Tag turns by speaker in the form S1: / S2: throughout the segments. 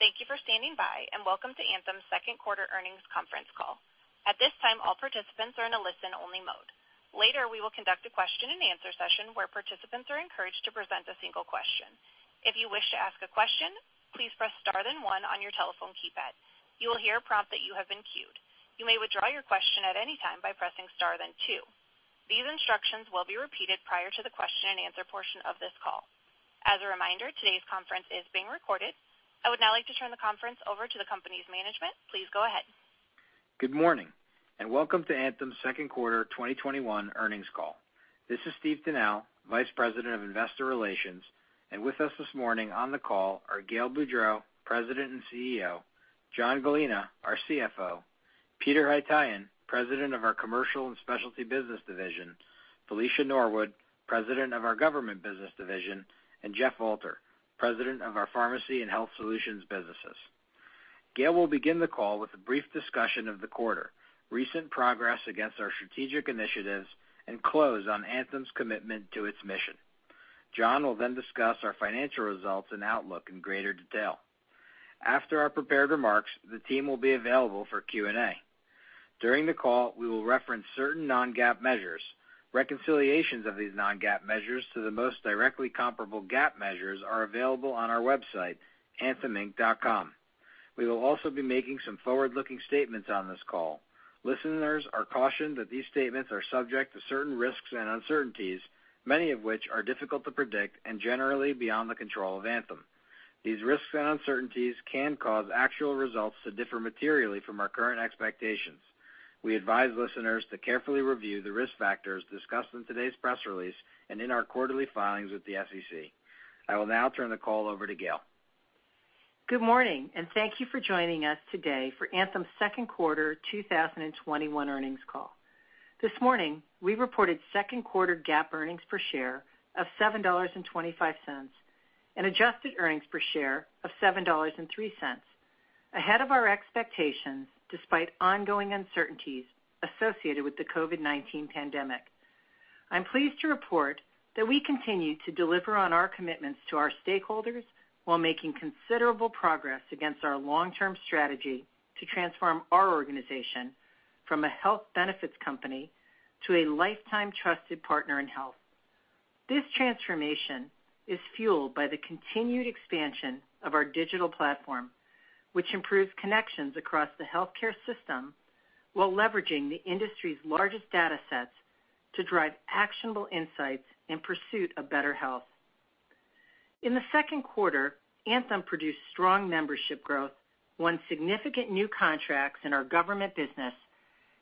S1: Thank you for standing by, and welcome to Anthem's second quarter earnings conference call. At this time, all participants are in a listen only mode. Later, we will conduct a question-and-answer session where participants are encouraged to present a single question. If you wish to ask a question, please press star then one on your telephone keypad. You will hear a prompt that you have been queued. You may withdraw your question at any time by pressing star then two. These instructions will be repeated prior to the question-and-answer portion of this call. As a reminder, today's conference is being recorded. I would now like to turn the conference over to the company's management. Please go ahead.
S2: Good morning, and welcome to Anthem's second quarter 2021 earnings call. This is Steve Tanal, Vice President of Investor Relations. With us this morning on the call are Gail Boudreaux, President and CEO, John Gallina, our CFO, Pete Haytaian, President of our Commercial and Specialty Business division, Felicia Norwood, President of our Government Business division, and Jeff Alter, President of our Pharmacy and Health Solutions businesses. Gail will begin the call with a brief discussion of the quarter, recent progress against our strategic initiatives, and close on Anthem's commitment to its mission. John will then discuss our financial results and outlook in greater detail. After our prepared remarks, the team will be available for Q&A. During the call, we will reference certain non-GAAP measures. Reconciliations of these non-GAAP measures to the most directly comparable GAAP measures are available on our website, antheminc.com. We will also be making some forward-looking statements on this call. Listeners are cautioned that these statements are subject to certain risks and uncertainties, many of which are difficult to predict and generally beyond the control of Anthem. These risks and uncertainties can cause actual results to differ materially from our current expectations. We advise listeners to carefully review the risk factors discussed in today's press release and in our quarterly filings with the SEC. I will now turn the call over to Gail.
S3: Good morning. Thank you for joining us today for Anthem's second quarter 2021 earnings call. This morning, we reported second quarter GAAP earnings per share of $7.25 and adjusted earnings per share of $7.03, ahead of our expectations, despite ongoing uncertainties associated with the COVID-19 pandemic. I'm pleased to report that we continue to deliver on our commitments to our stakeholders while making considerable progress against our long-term strategy to transform our organization from a health benefits company to a lifetime trusted partner in health. This transformation is fueled by the continued expansion of our digital platform, which improves connections across the healthcare system while leveraging the industry's largest data sets to drive actionable insights in pursuit of better health. In the second quarter, Anthem produced strong membership growth, won significant new contracts in our Government Business,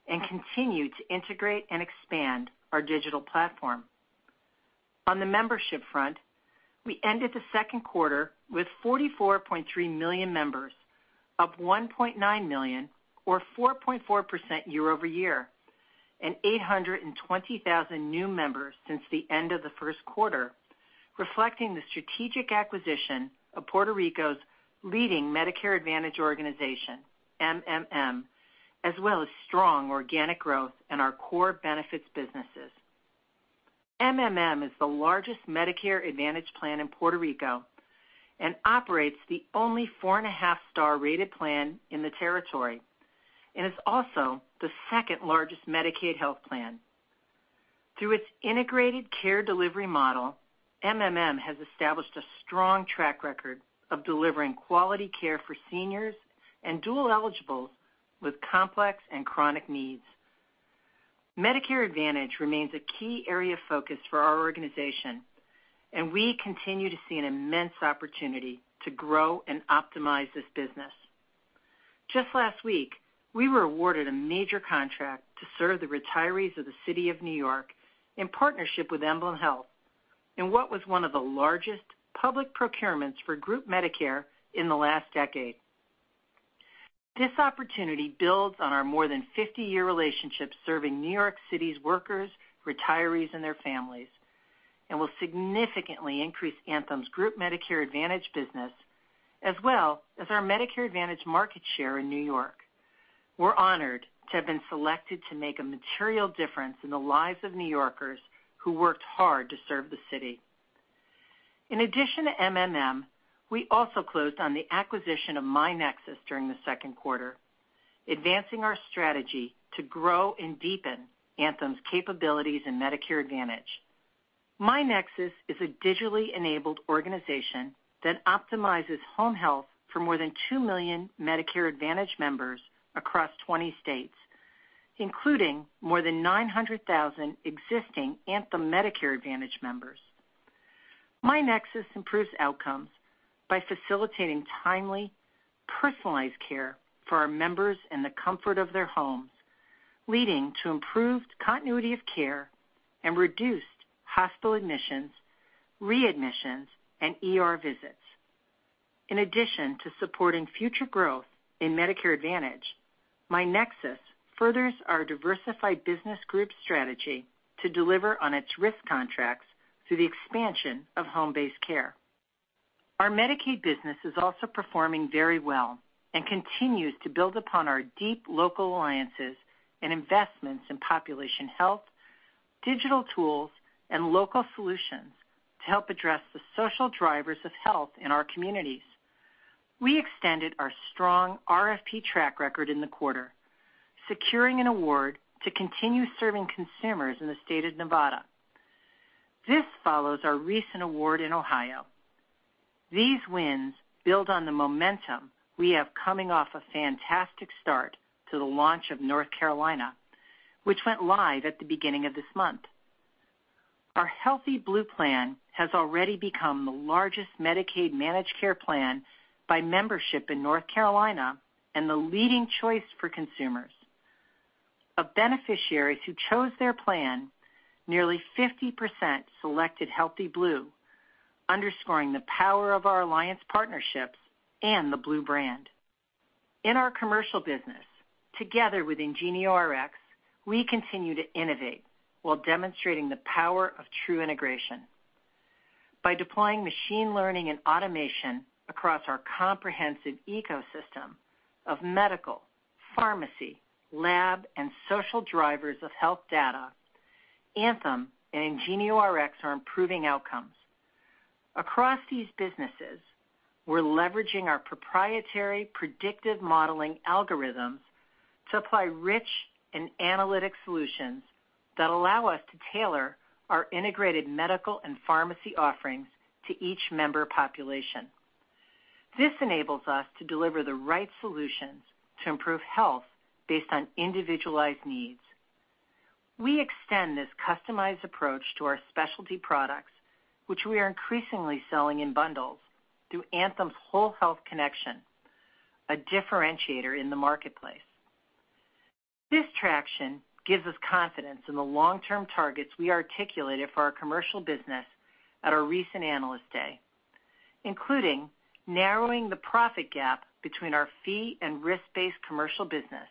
S3: and continued to integrate and expand our digital platform. On the membership front, we ended the second quarter with 44.3 million members, up 1.9 million or 4.4% year-over-year, and 820,000 new members since the end of the first quarter, reflecting the strategic acquisition of Puerto Rico's leading Medicare Advantage organization, MMM, as well as strong organic growth in our core benefits businesses. MMM is the largest Medicare Advantage plan in Puerto Rico and operates the only 4.5 star rated plan in the territory and is also the second largest Medicaid health plan. Through its integrated care delivery model, MMM has established a strong track record of delivering quality care for seniors and dual eligibles with complex and chronic needs. Medicare Advantage remains a key area of focus for our organization, and we continue to see an immense opportunity to grow and optimize this business. Just last week, we were awarded a major contract to serve the retirees of the City of New York in partnership with EmblemHealth in what was one of the largest public procurements for group Medicare in the last decade. This opportunity builds on our more than 50-year relationship serving New York City's workers, retirees, and their families and will significantly increase Anthem's group Medicare Advantage business as well as our Medicare Advantage market share in New York. We're honored to have been selected to make a material difference in the lives of New Yorkers who worked hard to serve the city. In addition to MMM, we also closed on the acquisition of myNEXUS during the second quarter, advancing our strategy to grow and deepen Anthem's capabilities in Medicare Advantage. myNEXUS is a digitally-enabled organization that optimizes home health for more than 2 million Medicare Advantage members across 20 states, including more than 900,000 existing Anthem Medicare Advantage members. myNEXUS improves outcomes by facilitating timely, personalized care for our members in the comfort of their homes, leading to improved continuity of care and reduced hospital admissions, readmissions, and ER visits. In addition to supporting future growth in Medicare Advantage, myNEXUS furthers our diversified business group strategy to deliver on its risk contracts through the expansion of home-based care. Our Medicaid business is also performing very well and continues to build upon our deep local alliances and investments in population health. Digital tools and local solutions to help address the social drivers of health in our communities. We extended our strong RFP track record in the quarter, securing an award to continue serving consumers in the state of Nevada. This follows our recent award in Ohio. These wins build on the momentum we have coming off a fantastic start to the launch of North Carolina, which went live at the beginning of this month. Our Healthy Blue plan has already become the largest Medicaid managed care plan by membership in North Carolina and the leading choice for consumers. Of beneficiaries who chose their plan, nearly 50% selected Healthy Blue, underscoring the power of our alliance partnerships and the Blue brand. In our commercial business, together with IngenioRx, we continue to innovate while demonstrating the power of true integration. By deploying machine learning and automation across our comprehensive ecosystem of medical, pharmacy, lab, and social drivers of health data, Anthem and IngenioRx are improving outcomes. Across these businesses, we are leveraging our proprietary predictive modeling algorithms to apply rich and analytic solutions that allow us to tailor our integrated medical and pharmacy offerings to each member population. This enables us to deliver the right solutions to improve health based on individualized needs. We extend this customized approach to our specialty products, which we are increasingly selling in bundles through Anthem's Whole Health Connection, a differentiator in the marketplace. This traction gives us confidence in the long-term targets we articulated for our commercial business at our recent Analyst Day, including narrowing the profit gap between our fee and risk-based commercial business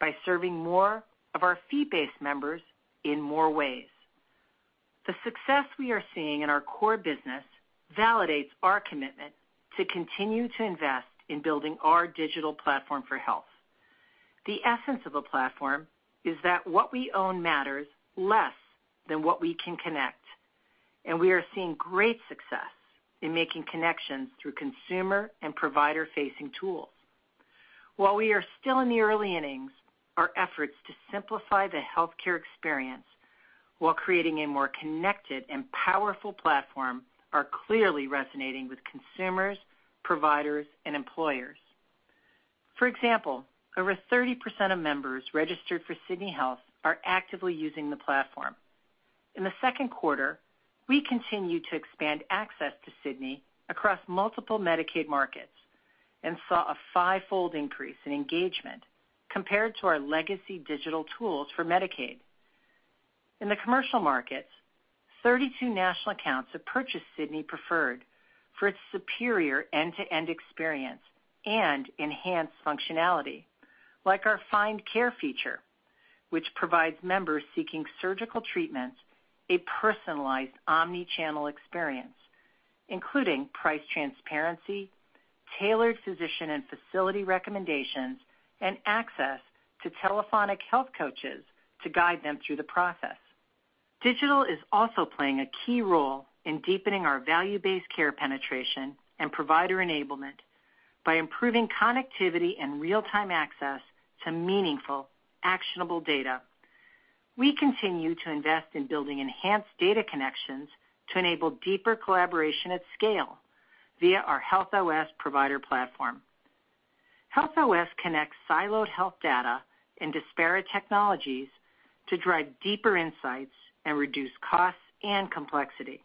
S3: by serving more of our fee-based members in more ways. The success we are seeing in our core business validates our commitment to continue to invest in building our digital platform for health. The essence of a platform is that what we own matters less than what we can connect, and we are seeing great success in making connections through consumer and provider-facing tools. While we are still in the early innings, our efforts to simplify the healthcare experience while creating a more connected and powerful platform are clearly resonating with consumers, providers, and employers. For example, over 30% of members registered for Sydney Health are actively using the platform. In the second quarter, we continued to expand access to Sydney across multiple Medicaid markets and saw a fivefold increase in engagement compared to our legacy digital tools for Medicaid. In the commercial markets, 32 national accounts have purchased Sydney Preferred for its superior end-to-end experience and enhanced functionality like our Find Care feature, which provides members seeking surgical treatments a personalized omni-channel experience, including price transparency, tailored physician and facility recommendations, and access to telephonic health coaches to guide them through the process. Digital is also playing a key role in deepening our value-based care penetration and provider enablement by improving connectivity and real-time access to meaningful, actionable data. We continue to invest in building enhanced data connections to enable deeper collaboration at scale via our Health OS provider platform. Health OS connects siloed health data and disparate technologies to drive deeper insights and reduce costs and complexity.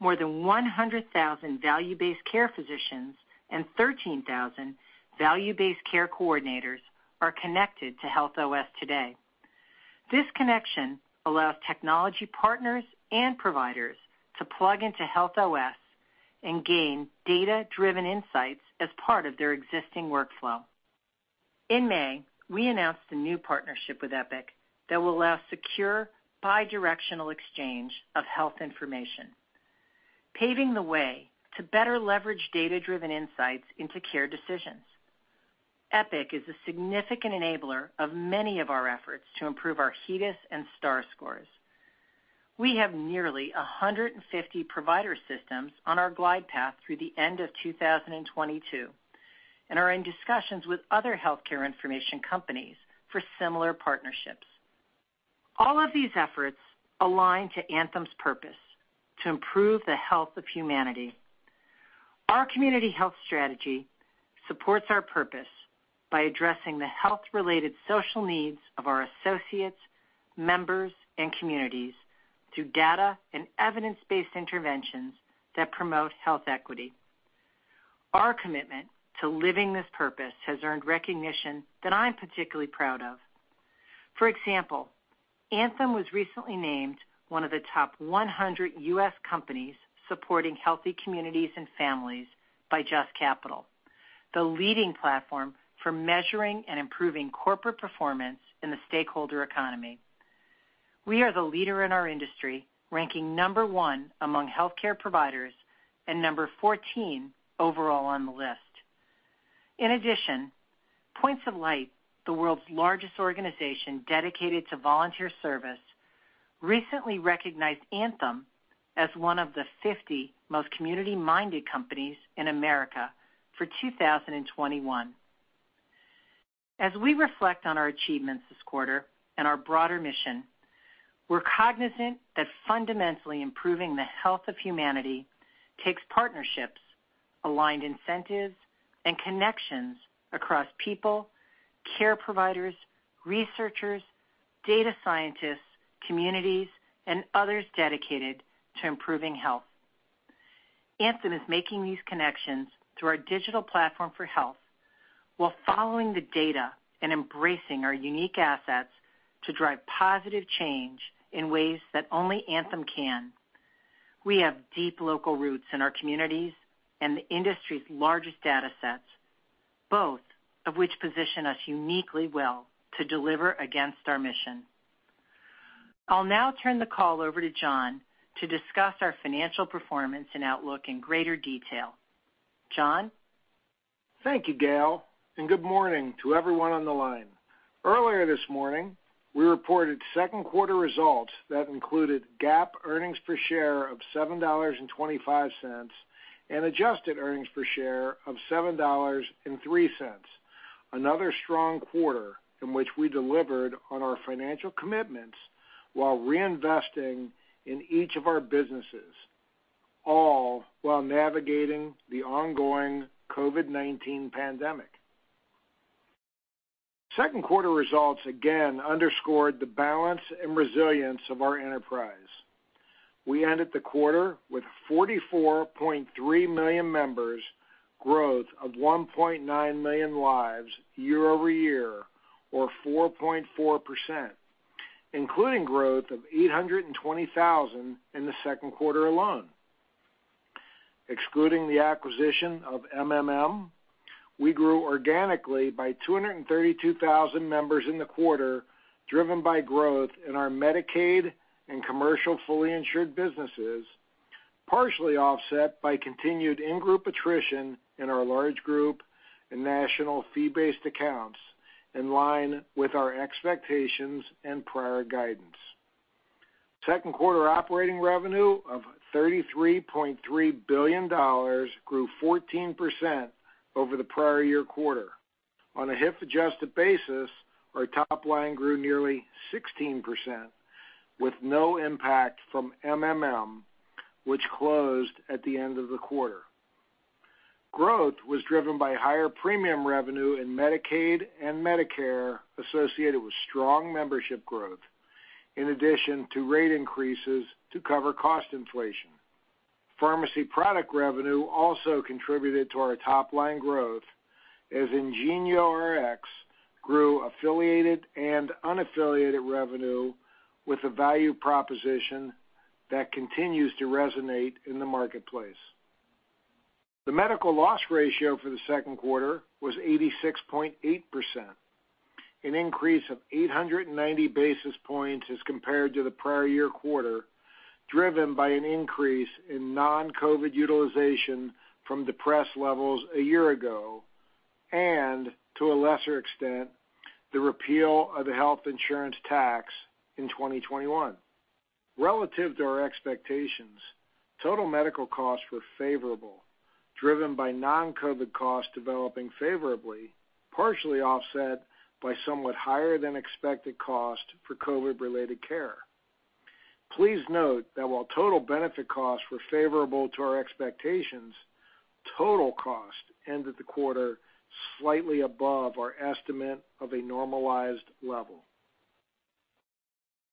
S3: More than 100,000 value-based care physicians and 13,000 value-based care coordinators are connected to Health OS today. This connection allows technology partners and providers to plug into Health OS and gain data-driven insights as part of their existing workflow. In May, we announced a new partnership with Epic that will allow secure bi-directional exchange of health information, paving the way to better leverage data-driven insights into care decisions. Epic is a significant enabler of many of our efforts to improve our HEDIS and Star scores. We have nearly 150 provider systems on our glide path through the end of 2022 and are in discussions with other healthcare information companies for similar partnerships. All of these efforts align to Anthem's purpose to improve the health of humanity. Our community health strategy supports our purpose by addressing the health-related social needs of our associates, members, and communities through data and evidence-based interventions that promote health equity. Our commitment to living this purpose has earned recognition that I'm particularly proud of. For example, Anthem was recently named one of the top 100 U.S. companies supporting healthy communities and families by JUST Capital, the leading platform for measuring and improving corporate performance in the stakeholder economy. We are the leader in our industry, ranking number one among healthcare providers and number 14 overall on the list. In addition, Points of Light, the world's largest organization dedicated to volunteer service, recently recognized Anthem as one of the 50 most community-minded companies in America for 2021. As we reflect on our achievements this quarter and our broader mission, we're cognizant that fundamentally improving the health of humanity takes partnerships, aligned incentives, and connections across people, care providers, researchers, data scientists, communities, and others dedicated to improving health. Anthem is making these connections through our digital platform for health while following the data and embracing our unique assets to drive positive change in ways that only Anthem can. We have deep local roots in our communities and the industry's largest data sets, both of which position us uniquely well to deliver against our mission. I'll now turn the call over to John to discuss our financial performance and outlook in greater detail. John?
S4: Thank you, Gail, and good morning to everyone on the line. Earlier this morning, we reported second quarter results that included GAAP earnings per share of $7.25 and adjusted earnings per share of $7.03. Another strong quarter in which we delivered on our financial commitments while reinvesting in each of our businesses, all while navigating the ongoing COVID-19 pandemic. Second quarter results again underscored the balance and resilience of our enterprise. We ended the quarter with 44.3 million members, growth of 1.9 million lives year-over-year, or 4.4%, including growth of 820,000 in the second quarter alone. Excluding the acquisition of MMM, we grew organically by 232,000 members in the quarter, driven by growth in our Medicaid and commercial fully insured businesses, partially offset by continued in-group attrition in our large group and national fee-based accounts, in line with our expectations and prior guidance. Second quarter operating revenue of $33.3 billion grew 14% over the prior year quarter. On a HIF-adjusted basis, our top line grew nearly 16% with no impact from MMM, which closed at the end of the quarter. Growth was driven by higher premium revenue in Medicaid and Medicare associated with strong membership growth, in addition to rate increases to cover cost inflation. Pharmacy product revenue also contributed to our top-line growth, as IngenioRx grew affiliated and unaffiliated revenue with a value proposition that continues to resonate in the marketplace. The medical loss ratio for the second quarter was 86.8%, an increase of 890 basis points as compared to the prior year quarter, driven by an increase in non-COVID-19 utilization from depressed levels a year ago, and to a lesser extent, the repeal of the health insurance tax in 2021. Relative to our expectations, total medical costs were favorable, driven by non-COVID costs developing favorably, partially offset by somewhat higher than expected cost for COVID-related care. Please note that while total benefit costs were favorable to our expectations, total cost ended the quarter slightly above our estimate of a normalized level.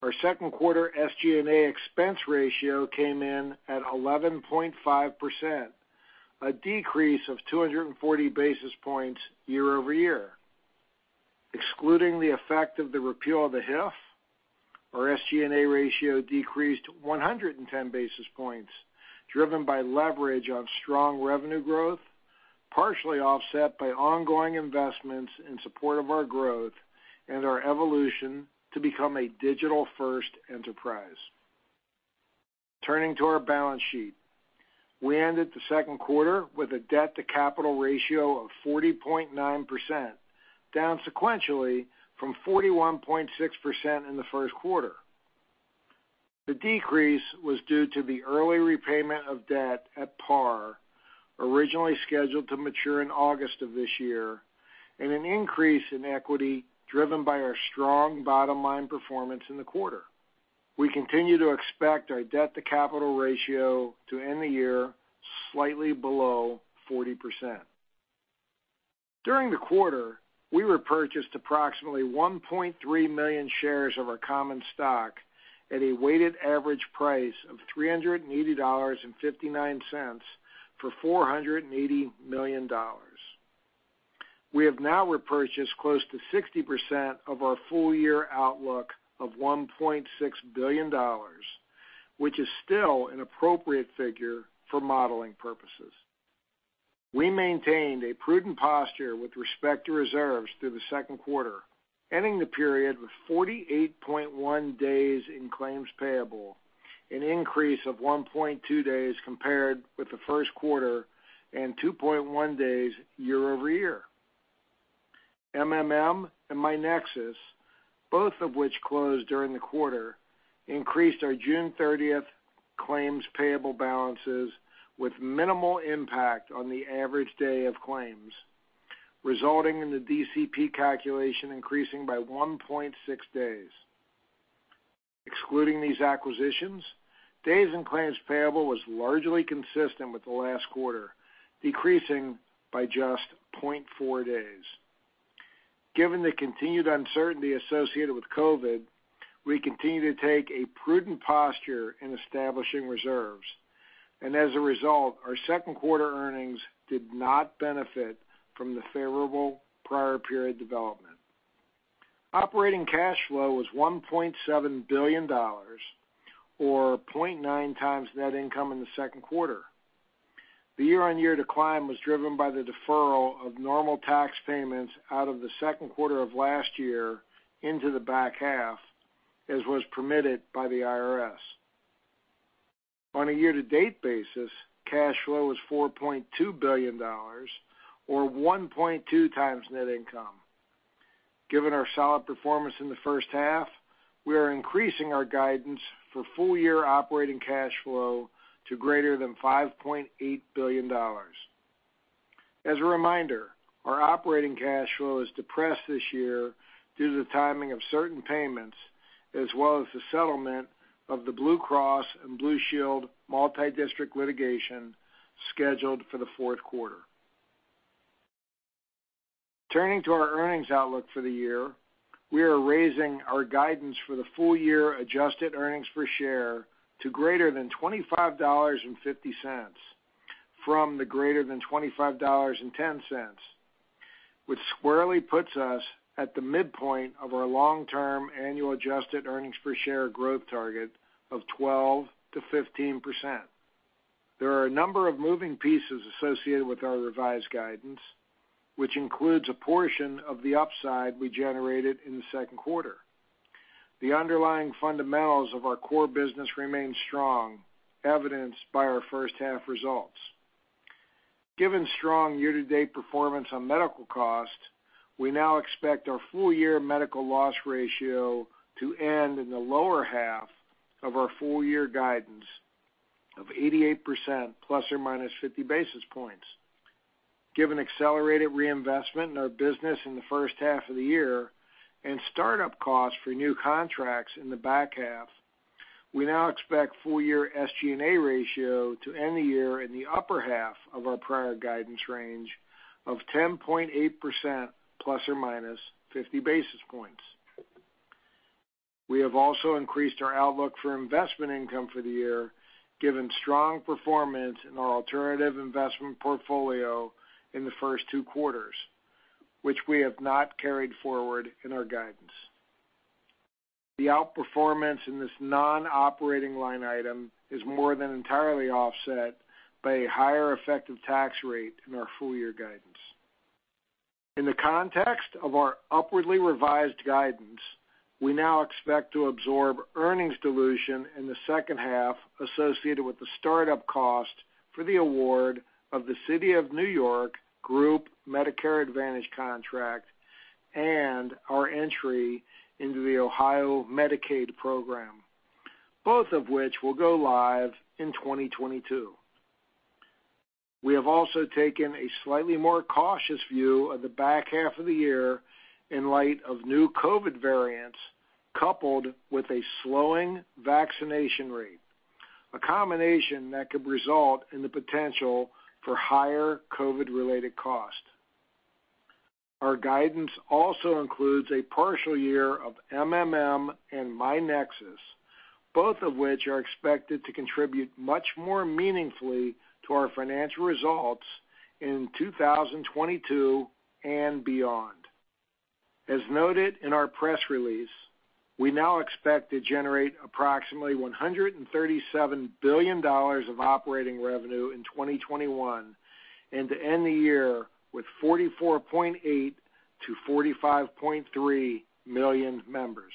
S4: Our second quarter SG&A expense ratio came in at 11.5%, a decrease of 240 basis points year-over-year. Excluding the effect of the repeal of the HIF, our SG&A ratio decreased 110 basis points, driven by leverage on strong revenue growth, partially offset by ongoing investments in support of our growth and our evolution to become a digital-first enterprise. Turning to our balance sheet, we ended the second quarter with a debt to capital ratio of 40.9%, down sequentially from 41.6% in the first quarter. The decrease was due to the early repayment of debt at par, originally scheduled to mature in August of this year, and an increase in equity driven by our strong bottom-line performance in the quarter. We continue to expect our debt to capital ratio to end the year slightly below 40%. During the quarter, we repurchased approximately 1.3 million shares of our common stock at a weighted average price of $380.59 for $480 million. We have now repurchased close to 60% of our full year outlook of $1.6 billion, which is still an appropriate figure for modeling purposes. We maintained a prudent posture with respect to reserves through the second quarter, ending the period with 48.1 days in claims payable. An increase of 1.2 days compared with the first quarter and 2.1 days year-over-year. MMM and myNEXUS, both of which closed during the quarter, increased our June 30th claims payable balances with minimal impact on the average day of claims, resulting in the DCP calculation increasing by 1.6 days. Excluding these acquisitions, days in claims payable was largely consistent with the last quarter, decreasing by just 0.4 days. Given the continued uncertainty associated with COVID-19, we continue to take a prudent posture in establishing reserves. As a result, our second quarter earnings did not benefit from the favorable prior period development. Operating cash flow was $1.7 billion, or 0.9x net income in the second quarter. The year-on-year decline was driven by the deferral of normal tax payments out of the second quarter of last year into the back half, as was permitted by the IRS. On a year-to-date basis, cash flow was $4.2 billion, or 1.2x net income. Given our solid performance in the first half, we are increasing our guidance for full-year operating cash flow to greater than $5.8 billion. As a reminder, our operating cash flow is depressed this year due to the timing of certain payments, as well as the settlement of the Blue Cross and Blue Shield multi-district litigation scheduled for the fourth quarter. Turning to our earnings outlook for the year, we are raising our guidance for the full-year adjusted earnings per share to greater than $25.50, from the greater than $25.10, which squarely puts us at the midpoint of our long-term annual adjusted earnings per share growth target of 12%-15%. There are a number of moving pieces associated with our revised guidance, which includes a portion of the upside we generated in the second quarter. The underlying fundamentals of our core business remain strong, evidenced by our first half results. Given strong year-to-date performance on medical costs, we now expect our full-year medical loss ratio to end in the lower half of our full-year guidance of 88%, ±50 basis points. Given accelerated reinvestment in our business in the first half of the year and start-up costs for new contracts in the back half, we now expect full-year SG&A ratio to end the year in the upper half of our prior guidance range of 10.8%, ±50 basis points. We have also increased our outlook for investment income for the year, given strong performance in our alternative investment portfolio in the first two quarters, which we have not carried forward in our guidance. The outperformance in this non-operating line item is more than entirely offset by a higher effective tax rate in our full-year guidance. In the context of our upwardly revised guidance, we now expect to absorb earnings dilution in the second half associated with the start-up cost for the award of the City of New York Group Medicare Advantage contract and our entry into the Ohio Medicaid program, both of which will go live in 2022. We have also taken a slightly more cautious view of the back half of the year in light of new COVID variants, coupled with a slowing vaccination rate, a combination that could result in the potential for higher COVID-related costs. Our guidance also includes a partial year of MMM and myNEXUS, both of which are expected to contribute much more meaningfully to our financial results in 2022 and beyond. As noted in our press release, we now expect to generate approximately $137 billion of operating revenue in 2021 and to end the year with 44.8 million-45.3 million members.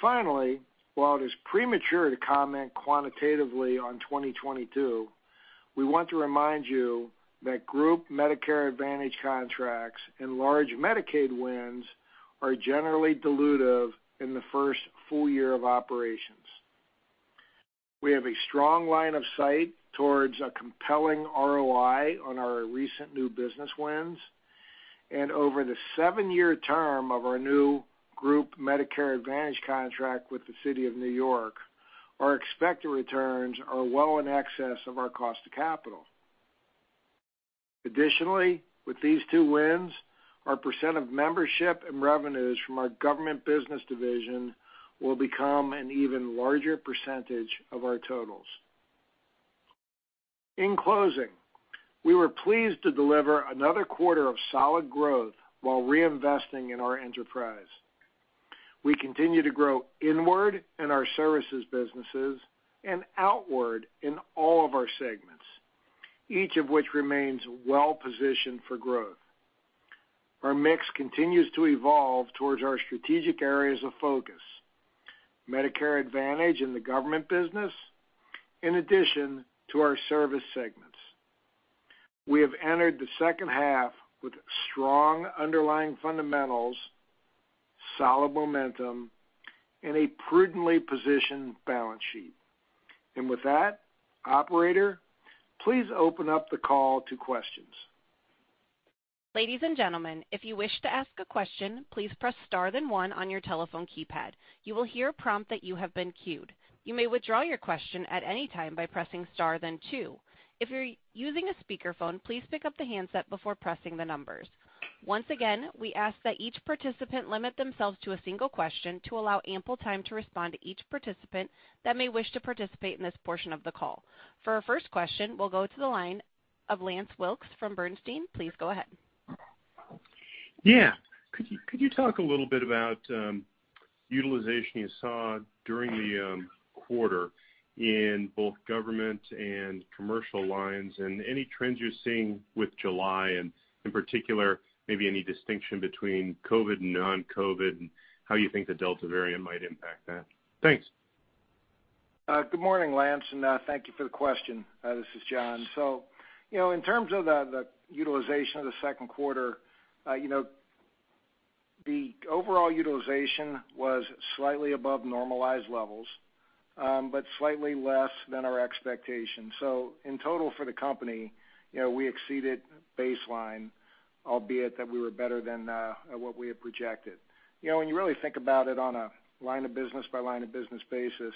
S4: Finally, while it is premature to comment quantitatively on 2022, we want to remind you that group Medicare Advantage contracts and large Medicaid wins are generally dilutive in the first full year of operations. We have a strong line of sight towards a compelling ROI on our recent new business wins, and over the seven-year term of our new group Medicare Advantage contract with the City of New York, our expected returns are well in excess of our cost of capital. Additionally, with these two wins, our percent of membership and revenues from our Government Business Division will become an even larger percentage of our totals. In closing, we were pleased to deliver another quarter of solid growth while reinvesting in our enterprise. We continue to grow inward in our services businesses and outward in all of our segments, each of which remains well-positioned for growth. Our mix continues to evolve towards our strategic areas of focus, Medicare Advantage in the government business, in addition to our service segments. We have entered the second half with strong underlying fundamentals, solid momentum, and a prudently positioned balance sheet. With that, operator, please open up the call to questions.
S1: Ladies and gentlemen, if you wish to ask a question, please press star then one on your telephone keypad. You will hear a prompt that you have been queued. You may withdraw your question at any time by pressing star then two. If you're using a speakerphone, please pick up the handset before pressing the numbers. Once again, we ask that each participant limit themselves to a single question to allow ample time to respond to each participant that may wish to participate in this portion of the call. For our first question, we'll go to the line of Lance Wilkes from Bernstein. Please go ahead.
S5: Yeah. Could you talk a little bit about utilization you saw during the quarter in both government and commercial lines, and any trends you're seeing with July, and in particular, maybe any distinction between COVID and non-COVID, and how you think the Delta variant might impact that? Thanks.
S4: Good morning, Lance, thank you for the question. This is John. In terms of the utilization of the second quarter, the overall utilization was slightly above normalized levels, but slightly less than our expectations. In total for the company, we exceeded baseline, albeit that we were better than what we had projected. When you really think about it on a line of business by line of business basis,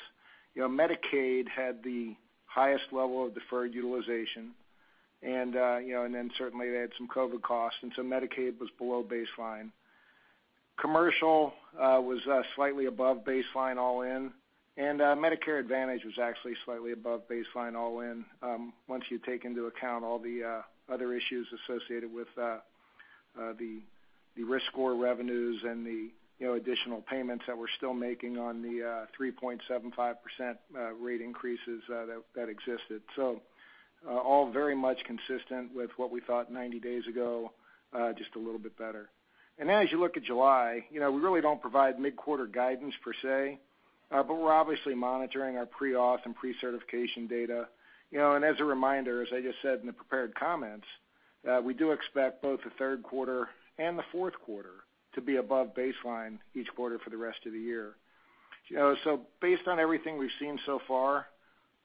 S4: Medicaid had the highest level of deferred utilization, and then certainly they had some COVID costs, and so Medicaid was below baseline. Commercial was slightly above baseline all in, and Medicare Advantage was actually slightly above baseline all in, once you take into account all the other issues associated with the risk score revenues and the additional payments that we're still making on the 3.75% rate increases that existed. All very much consistent with what we thought 90 days ago, just a little bit better. As you look at July, we really don't provide mid-quarter guidance per se, but we're obviously monitoring our pre-auth and pre-certification data. As a reminder, as I just said in the prepared comments, we do expect both the third quarter and the fourth quarter to be above baseline each quarter for the rest of the year. Based on everything we've seen so far,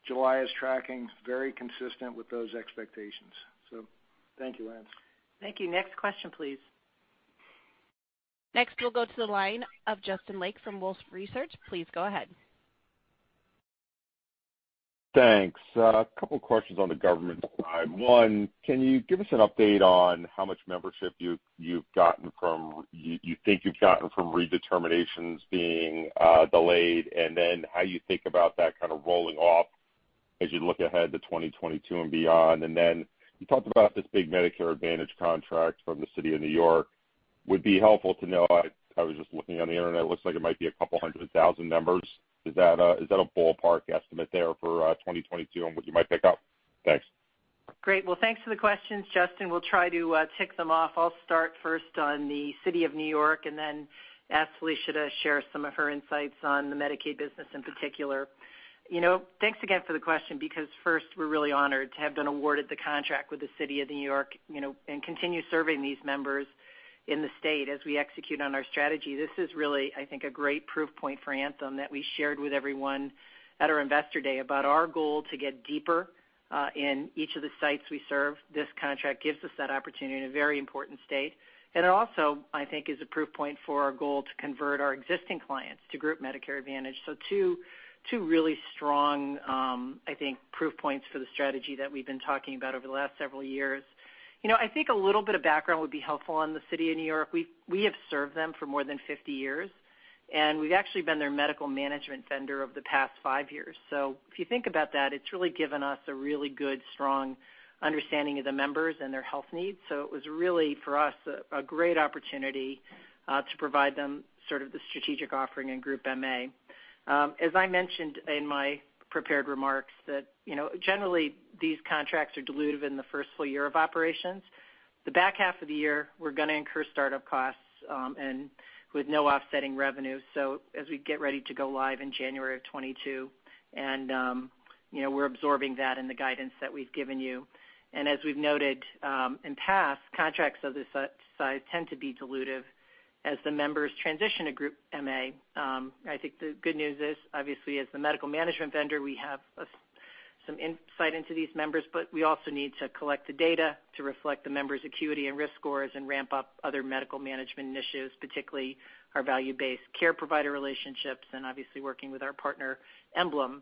S4: July is tracking very consistent with those expectations. Thank you, Lance.
S3: Thank you. Next question, please.
S1: Next, we'll go to the line of Justin Lake from Wolfe Research. Please go ahead.
S6: Thanks. A couple questions on the government side. One, can you give us an update on how much membership you think you've gotten from redeterminations being delayed? How you think about that kind of rolling off as you look ahead to 2022 and beyond. You talked about this big Medicare Advantage contract from the City of New York. Would be helpful to know, I was just looking on the Internet, it looks like it might be 200,000 members. Is that a ballpark estimate there for 2022 on what you might pick up? Thanks.
S3: Great. Thanks for the questions, Justin. We'll try to tick them off. I'll start first on the City of New York and then ask Felicia to share some of her insights on the Medicaid business in particular. Thanks again for the question. First, we're really honored to have been awarded the contract with the City of New York, and continue serving these members in the state as we execute on our strategy. This is really, I think, a great proof point for Anthem that we shared with everyone at our Investor Day about our goal to get deeper in each of the sites we serve. This contract gives us that opportunity in a very important state. It also, I think, is a proof point for our goal to convert our existing clients to group Medicare Advantage. Two really strong, I think, proof points for the strategy that we've been talking about over the last several years. I think a little bit of background would be helpful on the City of New York. We have served them for more than 50 years, and we've actually been their medical management vendor of the past five years. If you think about that, it's really given us a really good, strong understanding of the members and their health needs. It was really, for us, a great opportunity to provide them sort of the strategic offering in group MA. As I mentioned in my prepared remarks that, generally these contracts are dilutive in the first full year of operations. The back half of the year, we're going to incur startup costs and with no offsetting revenue. As we get ready to go live in January of 2022, and we're absorbing that in the guidance that we've given you. As we've noted in past, contracts of this size tend to be dilutive as the members transition to group MA. I think the good news is, obviously, as the medical management vendor, we have some insight into these members, but we also need to collect the data to reflect the members' acuity and risk scores and ramp up other medical management initiatives, particularly our value-based care provider relationships, and obviously working with our partner, EmblemHealth.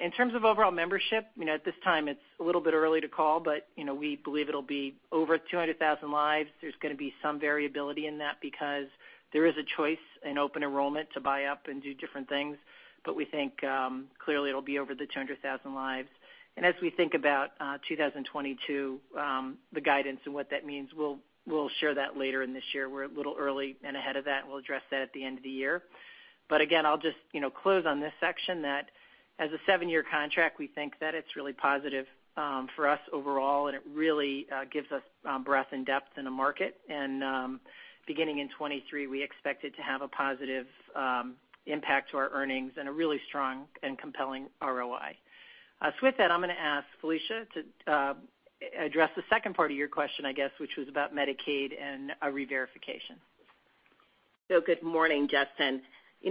S3: In terms of overall membership, at this time it's a little bit early to call, but we believe it'll be over 200,000 lives. There's going to be some variability in that because there is a choice in open enrollment to buy up and do different things. We think, clearly it'll be over the 200,000 lives. As we think about 2022, the guidance and what that means, we'll share that later in this year. We're a little early and ahead of that, and we'll address that at the end of the year. But again, I'll just close on this section that as a seven-year contract, we think that it's really positive for us overall, and it really gives us breadth and depth in the market. Beginning in 2023, we expect it to have a positive impact to our earnings and a really strong and compelling ROI. With that, I'm going to ask Felicia to address the second part of your question, I guess, which was about Medicaid and reverification.
S7: Good morning, Justin.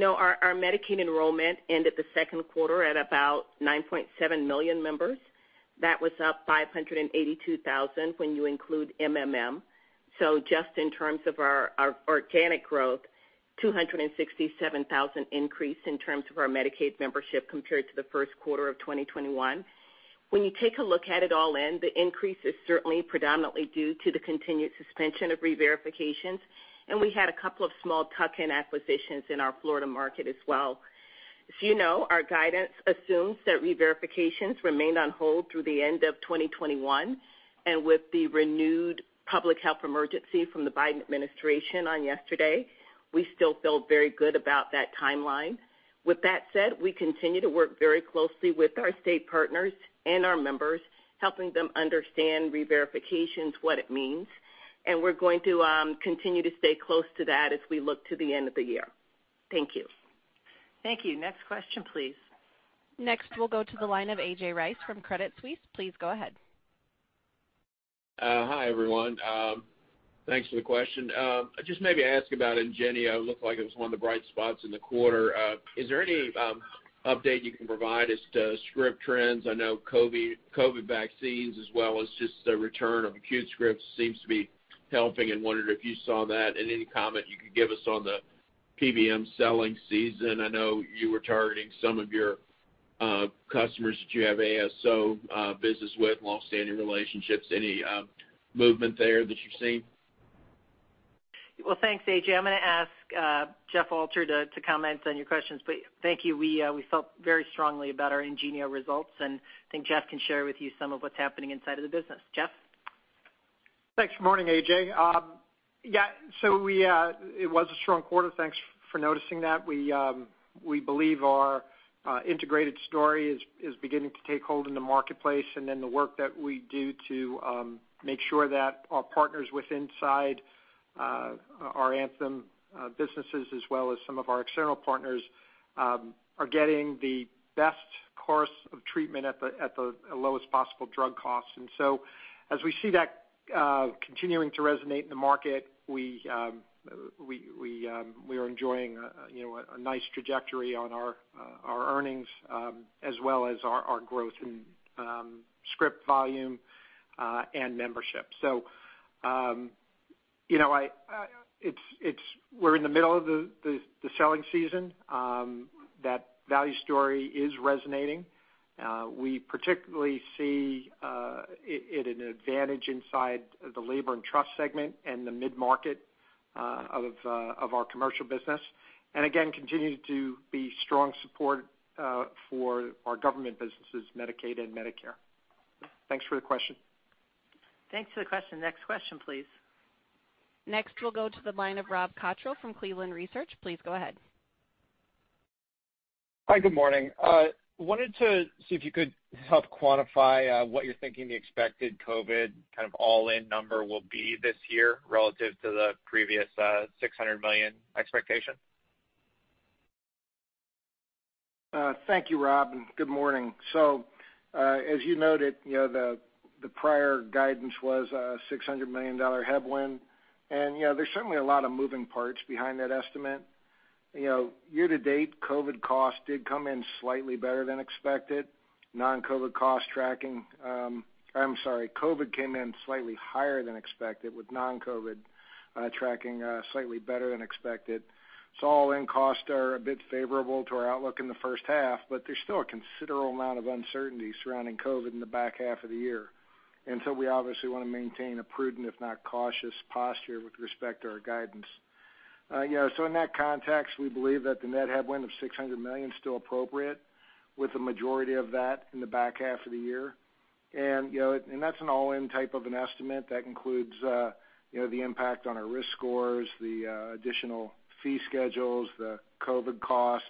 S7: Our Medicaid enrollment ended the second quarter at about 9.7 million members. That was up 582,000 when you include MMM. Just in terms of our organic growth, 267,000 increase in terms of our Medicaid membership compared to the first quarter of 2021. When you take a look at it all in, the increase is certainly predominantly due to the continued suspension of reverifications, and we had a couple of small tuck-in acquisitions in our Florida market as well. As you know, our guidance assumes that reverifications remain on hold through the end of 2021, and with the renewed public health emergency from the Biden administration on yesterday, we still feel very good about that timeline. With that said, we continue to work very closely with our state partners and our members, helping them understand reverifications, what it means, and we're going to continue to stay close to that as we look to the end of the year. Thank you.
S3: Thank you. Next question, please.
S1: Next, we'll go to the line of A.J. Rice from Credit Suisse. Please go ahead.
S8: Hi, everyone. Thanks for the question. Just maybe ask about Ingenio, looked like it was one of the bright spots in the quarter. Is there any update you can provide as to script trends? I know COVID vaccines as well as just the return of acute scripts seems to be helping, and wondered if you saw that, and any comment you could give us on the PBM selling season. I know you were targeting some of your customers that you have ASO business with, longstanding relationships. Any movement there that you've seen?
S3: Well, thanks, A.J. Rice. I'm going to ask Jeff Alter to comment on your questions, but thank you. We felt very strongly about our IngenioRx results, and I think Jeff can share with you some of what's happening inside of the business. Jeff?
S9: Thanks. Morning, A.J. Yeah. It was a strong quarter. Thanks for noticing that. We believe our integrated story is beginning to take hold in the marketplace, and then the work that we do to make sure that our partners with inside our Anthem businesses, as well as some of our external partners, are getting the best course of treatment at the lowest possible drug costs. As we see that continuing to resonate in the market, we are enjoying a nice trajectory on our earnings, as well as our growth in script volume and membership. We're in the middle of the selling season. That value story is resonating. We particularly see it an advantage inside the labor and trust segment and the mid-market of our commercial business. Again, continues to be strong support for our government businesses, Medicaid and Medicare. Thanks for the question.
S3: Thanks for the question. Next question, please.
S1: Next, we'll go to the line of Rob Cottrell from Cleveland Research. Please go ahead.
S10: Hi, good morning. Wanted to see if you could help quantify what you're thinking the expected COVID kind of all-in number will be this year relative to the previous $600 million expectation?
S4: Thank you, Rob, good morning. As you noted, the prior guidance was a $600 million headwind, there's certainly a lot of moving parts behind that estimate. Year-to-date, COVID costs did come in slightly better than expected. COVID came in slightly higher than expected, with non-COVID tracking slightly better than expected. All-in costs are a bit favorable to our outlook in the first half, there's still a considerable amount of uncertainty surrounding COVID in the back half of the year. We obviously want to maintain a prudent, if not cautious, posture with respect to our guidance. In that context, we believe that the net headwind of $600 million is still appropriate, with the majority of that in the back half of the year. That's an all-in type of an estimate. That includes the impact on our risk scores, the additional fee schedules, the COVID cost,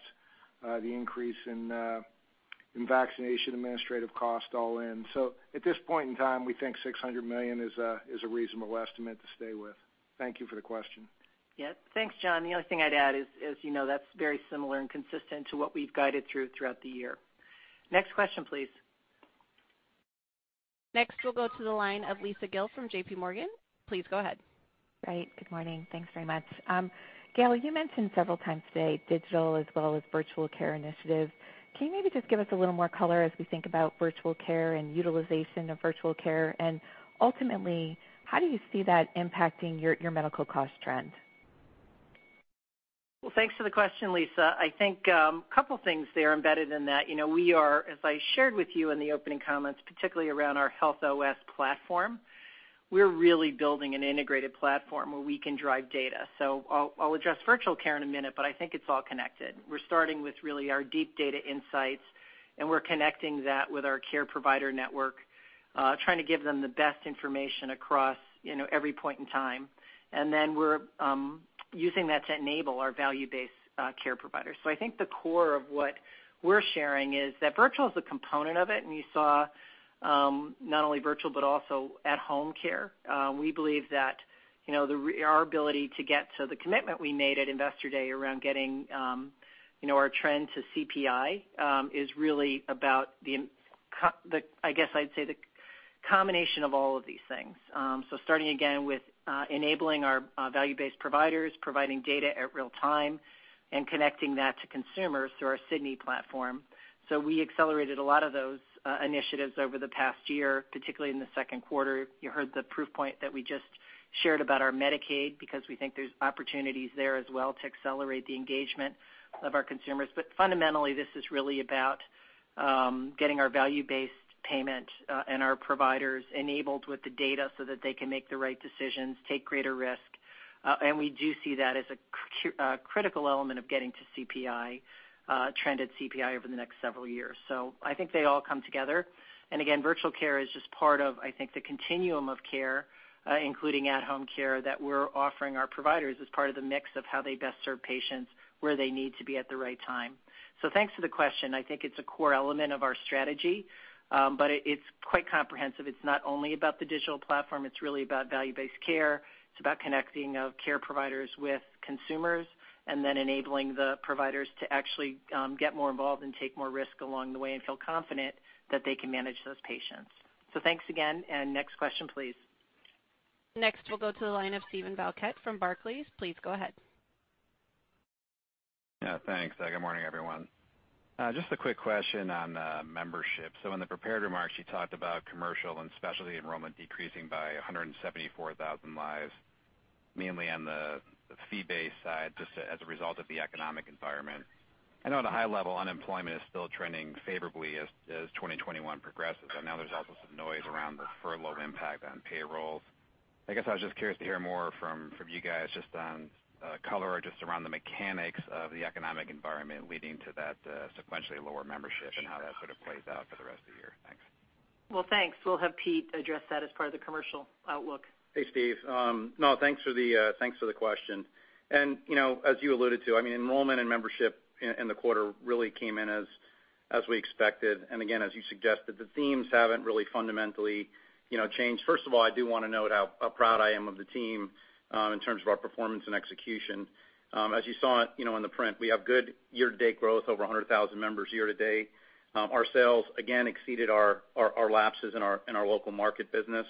S4: the increase in vaccination administrative cost all in. At this point in time, we think $600 million is a reasonable estimate to stay with. Thank you for the question.
S3: Yeah. Thanks, John. The only thing I'd add is, as you know, that's very similar and consistent to what we've guided through throughout the year. Next question, please.
S1: Next, we'll go to the line of Lisa Gill from JPMorgan. Please go ahead.
S11: Right. Good morning. Thanks very much. Gail, you mentioned several times today digital as well as virtual care initiatives. Can you maybe just give us a little more color as we think about virtual care and utilization of virtual care? Ultimately, how do you see that impacting your medical cost trend?
S3: Well, thanks for the question, Lisa. I think a couple things there embedded in that. We are, as I shared with you in the opening comments, particularly around our Health OS platform, we're really building an integrated platform where we can drive data. I'll address virtual care in a minute, but I think it's all connected. We're starting with really our deep data insights. We're connecting that with our care provider network, trying to give them the best information across every point in time. Then we're using that to enable our value-based care providers. I think the core of what we're sharing is that virtual is a component of it, and you saw not only virtual but also at-home care. We believe that our ability to get to the commitment we made at Investor Day around getting our trend to CPI is really about, I guess I'd say, the combination of all of these things. Starting again with enabling our value-based providers, providing data at real-time, and connecting that to consumers through our Sydney platform. We accelerated a lot of those initiatives over the past year, particularly in the second quarter. You heard the proof point that we just shared about our Medicaid, because we think there's opportunities there as well to accelerate the engagement of our consumers. Fundamentally, this is really about getting our value-based payment and our providers enabled with the data so that they can make the right decisions, take greater risk. We do see that as a critical element of getting to CPI, trend at CPI over the next several years. I think they all come together. Again, virtual care is just part of, I think, the continuum of care, including at-home care that we're offering our providers as part of the mix of how they best serve patients where they need to be at the right time. Thanks for the question. I think it's a core element of our strategy, but it's quite comprehensive. It's not only about the digital platform, it's really about value-based care. It's about connecting care providers with consumers, and then enabling the providers to actually get more involved and take more risk along the way and feel confident that they can manage those patients. Thanks again, and next question, please.
S1: Next, we'll go to the line of Steven Valiquette from Barclays. Please go ahead.
S12: Yeah, thanks. Good morning, everyone. Just a quick question on membership. In the prepared remarks, you talked about commercial and specialty enrollment decreasing by 174,000 lives, mainly on the fee-based side, just as a result of the economic environment. I know at a high level, unemployment is still trending favorably as 2021 progresses. I know there's also some noise around the furlough impact on payrolls. I was just curious to hear more from you guys just on color or just around the mechanics of the economic environment leading to that sequentially lower membership and how that sort of plays out for the rest of the year. Thanks.
S3: Thanks. We'll have Pete address that as part of the commercial outlook.
S13: Hey, Steve. Thanks for the question. As you alluded to, enrollment and membership in the quarter really came in as we expected. Again, as you suggested, the themes haven't really fundamentally changed. First of all, I do want to note how proud I am of the team in terms of our performance and execution. As you saw in the print, we have good year-to-date growth, over 100,000 members year-to-date. Our sales again exceeded our lapses in our local market business.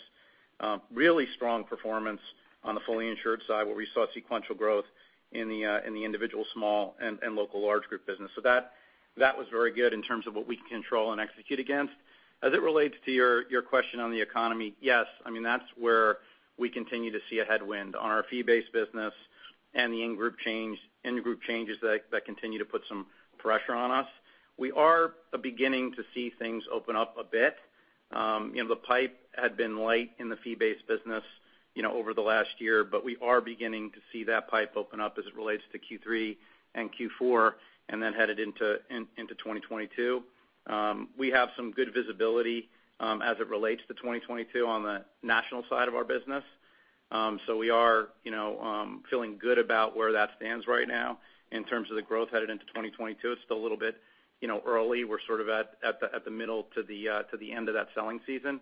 S13: Really strong performance on the fully insured side where we saw sequential growth in the individual small and local large group business. That was very good in terms of what we can control and execute against. Again, as it relates to your question on the economy, yes, that's where we continue to see a headwind on our fee-based business and the in-group changes that continue to put some pressure on us. We are beginning to see things open up a bit. The pipe had been light in the fee-based business over the last year, but we are beginning to see that pipe open up as it relates to Q3 and Q4, and then headed into 2022. We have some good visibility as it relates to 2022 on the national side of our business. We are feeling good about where that stands right now. In terms of the growth headed into 2022, it's still a little bit early. We're sort of at the middle to the end of that selling season.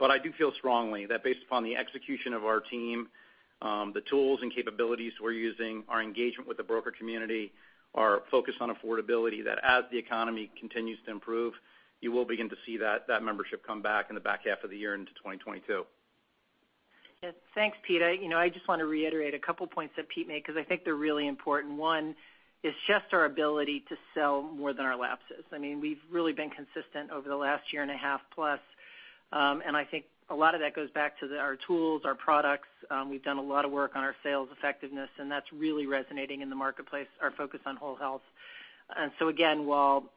S13: I do feel strongly that based upon the execution of our team, the tools and capabilities we're using, our engagement with the broker community, our focus on affordability, that as the economy continues to improve, you will begin to see that membership come back in the back half of the year into 2022.
S3: Yeah. Thanks, Pete. I just want to reiterate a couple points that Pete made because I think they're really important. One is just our ability to sell more than our lapses. We've really been consistent over the last year and a half plus. I think a lot of that goes back to our tools, our products. We've done a lot of work on our sales effectiveness, and that's really resonating in the marketplace, our focus on whole health. Again, while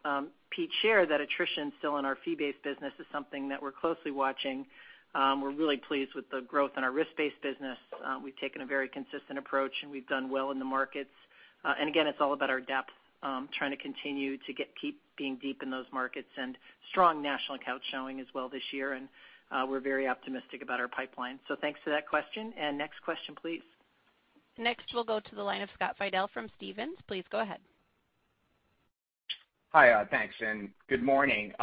S3: Pete shared that attrition still in our fee-based business is something that we're closely watching, we're really pleased with the growth in our risk-based business. We've taken a very consistent approach. We've done well in the markets. Again, it's all about our depth, trying to continue to get Pete being deep in those markets and strong national account showing as well this year, and we're very optimistic about our pipeline. Thanks for that question. Next question, please.
S1: Next, we'll go to the line of Scott Fidel from Stephens. Please go ahead.
S14: Hi, thanks, good morning.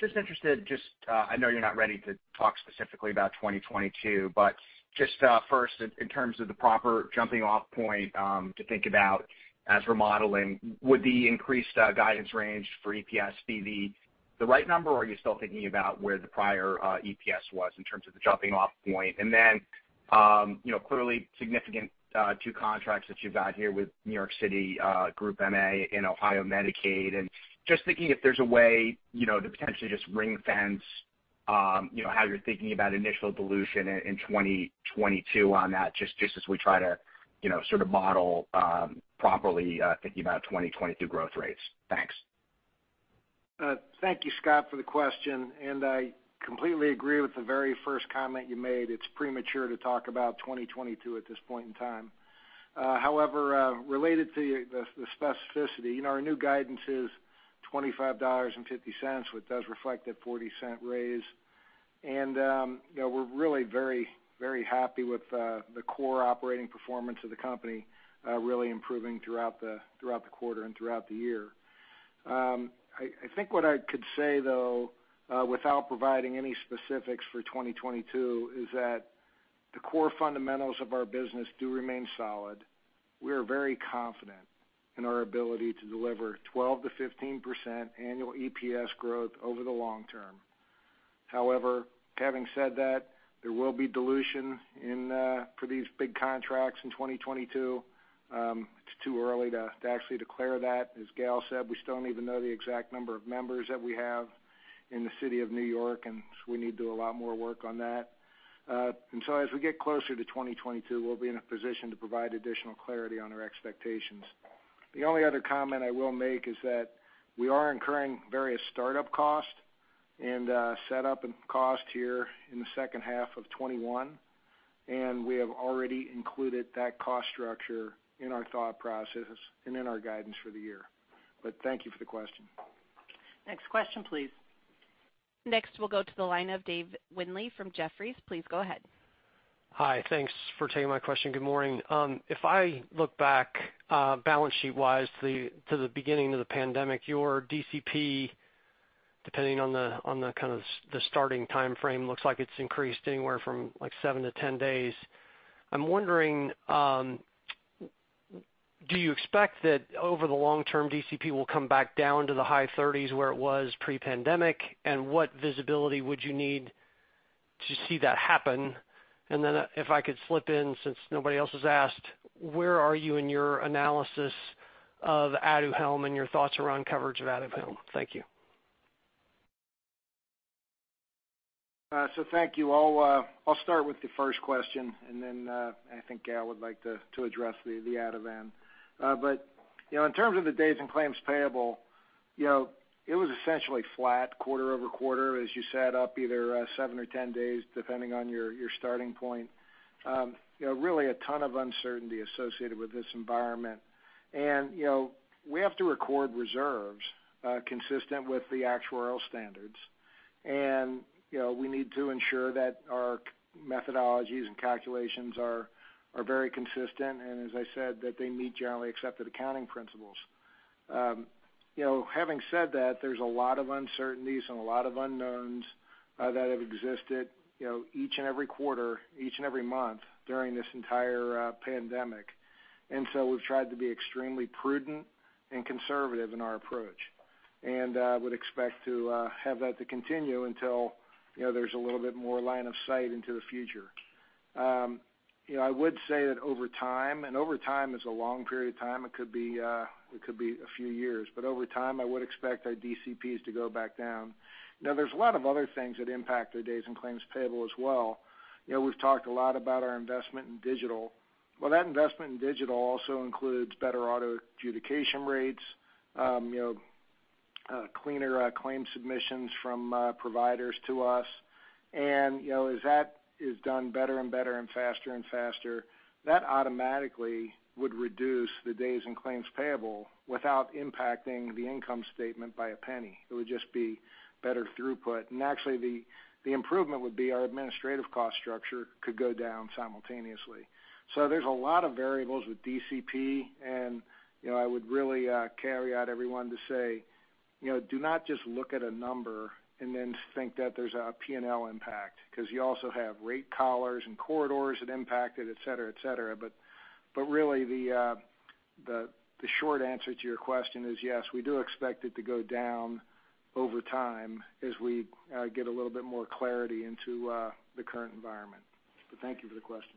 S14: Just interested, I know you're not ready to talk specifically about 2022, but just first in terms of the proper jumping off point to think about as we're modeling, would the increased guidance range for EPS be the right number, or are you still thinking about where the prior EPS was in terms of the jumping off point? Clearly significant two contracts that you've got here with New York City Group MA and Ohio Medicaid, and just thinking if there's a way to potentially just ring-fence how you're thinking about initial dilution in 2022 on that, just as we try to sort of model properly thinking about 2022 growth rates. Thanks.
S4: Thank you, Scott, for the question, and I completely agree with the very first comment you made. It's premature to talk about 2022 at this point in time. However, related to the specificity, our new guidance is $25.50, which does reflect that $0.40 raise. We're really very happy with the core operating performance of the company really improving throughout the quarter and throughout the year. I think what I could say, though, without providing any specifics for 2022, is that the core fundamentals of our business do remain solid. We are very confident in our ability to deliver 12%-15% annual EPS growth over the long term. However, having said that, there will be dilution for these big contracts in 2022. It's too early to actually declare that. As Gail said, we still don't even know the exact number of members that we have in the city of New York, and so we need to do a lot more work on that. As we get closer to 2022, we'll be in a position to provide additional clarity on our expectations. The only other comment I will make is that we are incurring various startup costs and setup and cost here in the second half of 2021, and we have already included that cost structure in our thought process and in our guidance for the year. Thank you for the question.
S3: Next question, please.
S1: Next, we'll go to the line of Dave Windley from Jefferies. Please go ahead.
S15: Hi. Thanks for taking my question. Good morning. If I look back balance sheet wise to the beginning of the pandemic, your DCP, depending on the kind of the starting timeframe, looks like it's increased anywhere from like 7 to 10 days. I'm wondering, do you expect that over the long term, DCP will come back down to the high 30s where it was pre-pandemic? What visibility would you need to see that happen? If I could slip in, since nobody else has asked, where are you in your analysis of ADUHELM and your thoughts around coverage of ADUHELM? Thank you.
S4: Thank you. I'll start with the first question, and then I think Gail would like to address the ADUHELM. In terms of the days in claims payable, it was essentially flat quarter-over-quarter as you sat up either seven or 10 days, depending on your starting point. Really a ton of uncertainty associated with this environment. We have to record reserves consistent with the actuarial standards, and we need to ensure that our methodologies and calculations are very consistent and, as I said, that they meet generally accepted accounting principles. Having said that, there's a lot of uncertainties and a lot of unknowns that have existed each and every quarter, each and every month during this entire pandemic. We've tried to be extremely prudent and conservative in our approach, and would expect to have that to continue until there's a little bit more line of sight into the future. I would say that over time, and over time is a long period of time, it could be a few years, but over time, I would expect our DCPs to go back down. There's a lot of other things that impact the days in claims payable as well. We've talked a lot about our investment in digital. That investment in digital also includes better auto adjudication rates, cleaner claim submissions from providers to us. As that is done better and better and faster and faster, that automatically would reduce the days in claims payable without impacting the income statement by a penny. It would just be better throughput. Actually, the improvement would be our administrative cost structure could go down simultaneously. There's a lot of variables with DCP, and I would really carry out everyone to say, do not just look at a number and then think that there's a P&L impact, because you also have rate collars and corridors that impact it, etc. Really, the short answer to your question is yes, we do expect it to go down over time as we get a little bit more clarity into the current environment. Thank you for the question.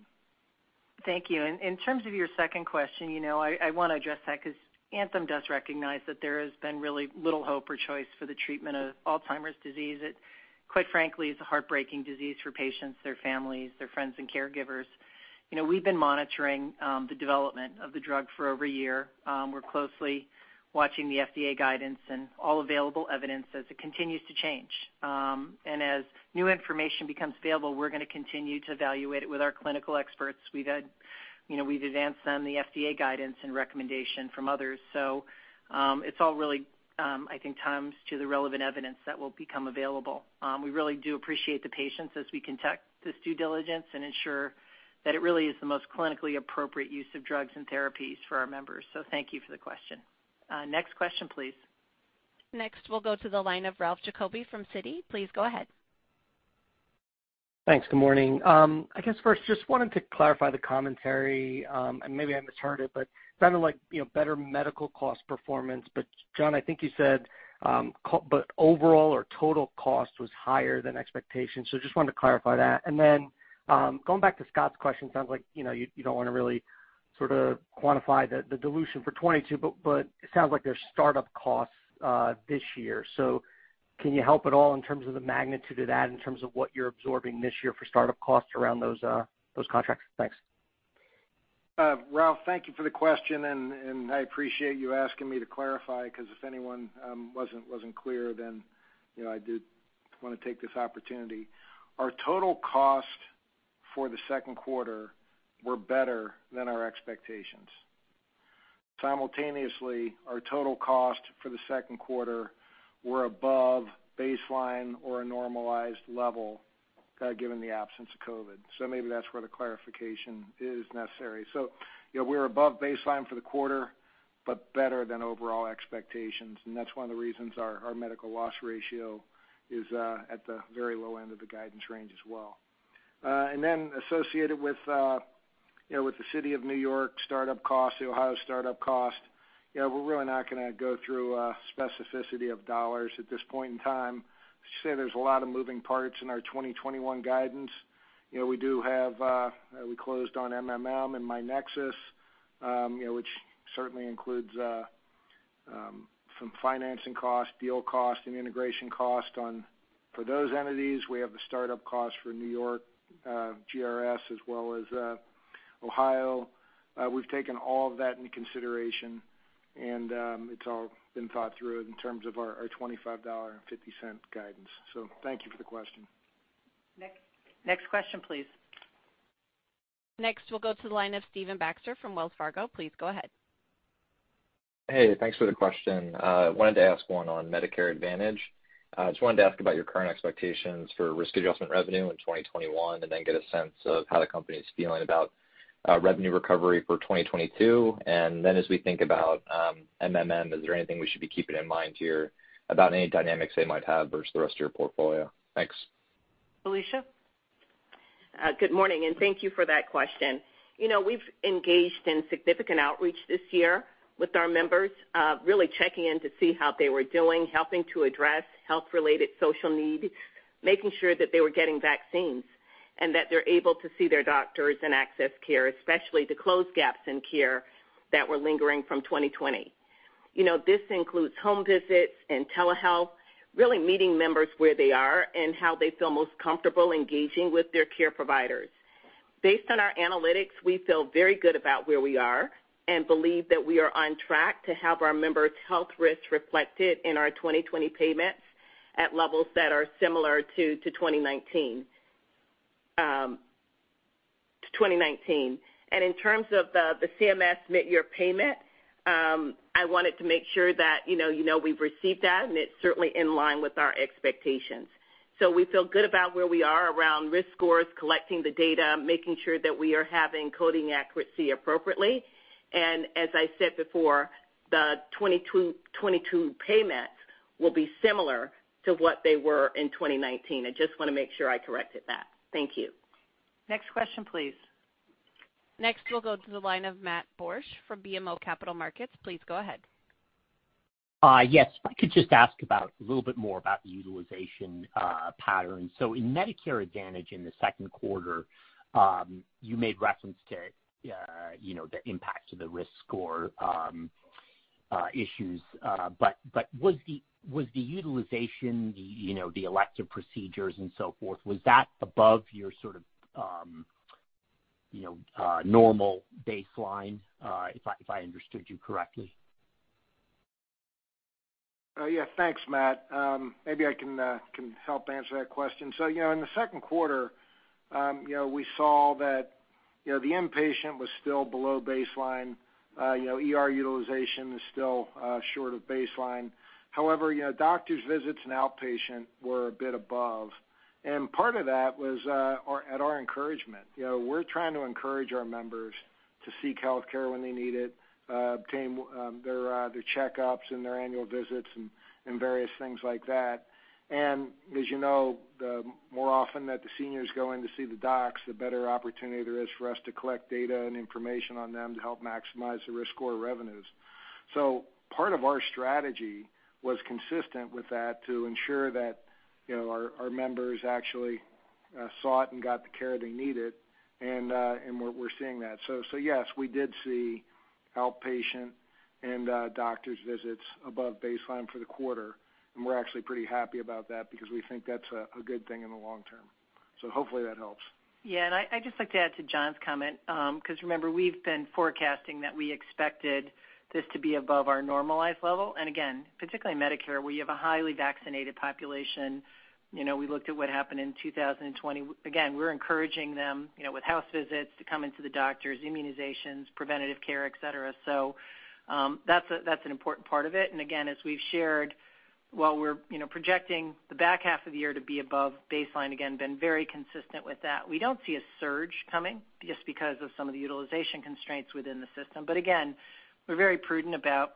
S3: Thank you. In terms of your second question, I want to address that because Anthem does recognize that there has been really little hope or choice for the treatment of Alzheimer's disease. It, quite frankly, is a heartbreaking disease for patients, their families, their friends, and caregivers. We've been monitoring the development of the drug for over a year. We're closely watching the FDA guidance and all available evidence as it continues to change. As new information becomes available, we're going to continue to evaluate it with our clinical experts. We've advanced on the FDA guidance and recommendation from others. It's all really comes to the relevant evidence that will become available. We really do appreciate the patience as we conduct this due diligence and ensure that it really is the most clinically appropriate use of drugs and therapies for our members. Thank you for the question. Next question, please.
S1: Next, we'll go to the line of Ralph Giacobbe from Citi. Please go ahead.
S16: Thanks. Good morning. I guess, first, I just wanted to clarify the commentary and maybe I misheard it, but it sounded like better medical cost performance. But John, I think you said, but overall, our total cost was higher than expectations. So I just wanted to clarify that. And then going back to Scott's question. It sounds like you don't want to really sort of quantify the dilution for 2022, but it sounds like there's start-up cost this year. So can you help at all in terms of the magnitude of that in terms of what you're absorbing this year for start-up costs around those contracts? Thanks
S4: Ralph, thank you for the question, and I appreciate you asking me to clarify, because if anyone wasn't clear, then I did want to take this opportunity. Our total cost for the second quarter were better than our expectations. Simultaneously, our total cost for the second quarter were above baseline or a normalized level given the absence of COVID. Maybe that's where the clarification is necessary. We're above baseline for the quarter, but better than overall expectations, and that's one of the reasons our medical loss ratio is at the very low end of the guidance range as well. Associated with the City of New York startup costs, the Ohio startup cost, we're really not going to go through specificity of dollars at this point in time. As you say, there's a lot of moving parts in our 2021 guidance. We closed on MMM and myNEXUS, which certainly includes some financing cost, deal cost, and integration cost for those entities. We have the startup cost for New York GRS as well as Ohio. We've taken all of that into consideration, and it's all been thought through in terms of our $25.50 guidance. Thank you for the question.
S3: Next question, please.
S1: We'll go to the line of Stephen Baxter from Wells Fargo. Please go ahead.
S17: Hey, thanks for the question. I wanted to ask one on Medicare Advantage. Just wanted to ask about your current expectations for risk adjustment revenue in 2021, and then get a sense of how the company is feeling about revenue recovery for 2022. As we think about MMM, is there anything we should be keeping in mind here about any dynamics they might have versus the rest of your portfolio? Thanks.
S3: Felicia?
S7: Good morning, and thank you for that question. We've engaged in significant outreach this year with our members, really checking in to see how they were doing, helping to address health-related social needs, making sure that they were getting vaccines, and that they're able to see their doctors and access care, especially to close gaps in care that were lingering from 2020. This includes home visits and telehealth, really meeting members where they are and how they feel most comfortable engaging with their care providers. Based on our analytics, we feel very good about where we are and believe that we are on track to have our members' health risks reflected in our 2020 payments at levels that are similar to 2019. In terms of the CMS mid-year payment, I wanted to make sure that you know we've received that, and it's certainly in line with our expectations. We feel good about where we are around risk scores, collecting the data, making sure that we are having coding accuracy appropriately. As I said before, 2022 payments will be similar to what they were in 2019. I just want to make sure I corrected that. Thank you.
S3: Next question, please.
S1: Next, we'll go to the line of Matt Borsch from BMO Capital Markets. Please go ahead.
S18: Yes. If I could just ask a little bit more about the utilization patterns. In Medicare Advantage in the second quarter, you made reference to the impact to the risk score issues. Was the utilization, the elective procedures and so forth, was that above your sort of normal baseline? If I understood you correctly.
S4: Yeah. Thanks, Matt Borsch. Maybe I can help answer that question. In the second quarter, we saw that the inpatient was still below baseline. ER utilization is still short of baseline. However, doctors visits and outpatient were a bit above. Part of that was at our encouragement. We're trying to encourage our members to seek healthcare when they need it, obtain their checkups and their annual visits, and various things like that. As you know, the more often that the seniors go in to see the docs, the better opportunity there is for us to collect data and information on them to help maximize the risk score revenues. Part of our strategy was consistent with that to ensure that our members actually sought and got the care they needed, and we're seeing that. Yes, we did see outpatient and doctors visits above baseline for the quarter, and we're actually pretty happy about that because we think that's a good thing in the long term. Hopefully that helps.
S3: I'd just like to add to John's comment, because remember, we've been forecasting that we expected this to be above our normalized level. Again, particularly in Medicare, we have a highly vaccinated population. We looked at what happened in 2020. Again, we're encouraging them with house visits to come into the doctors, immunizations, preventative care, etc. That's an important part of it. Again, as we've shared, while we're projecting the back half of the year to be above baseline, again, been very consistent with that. We don't see a surge coming just because of some of the utilization constraints within the system. Again, we're very prudent about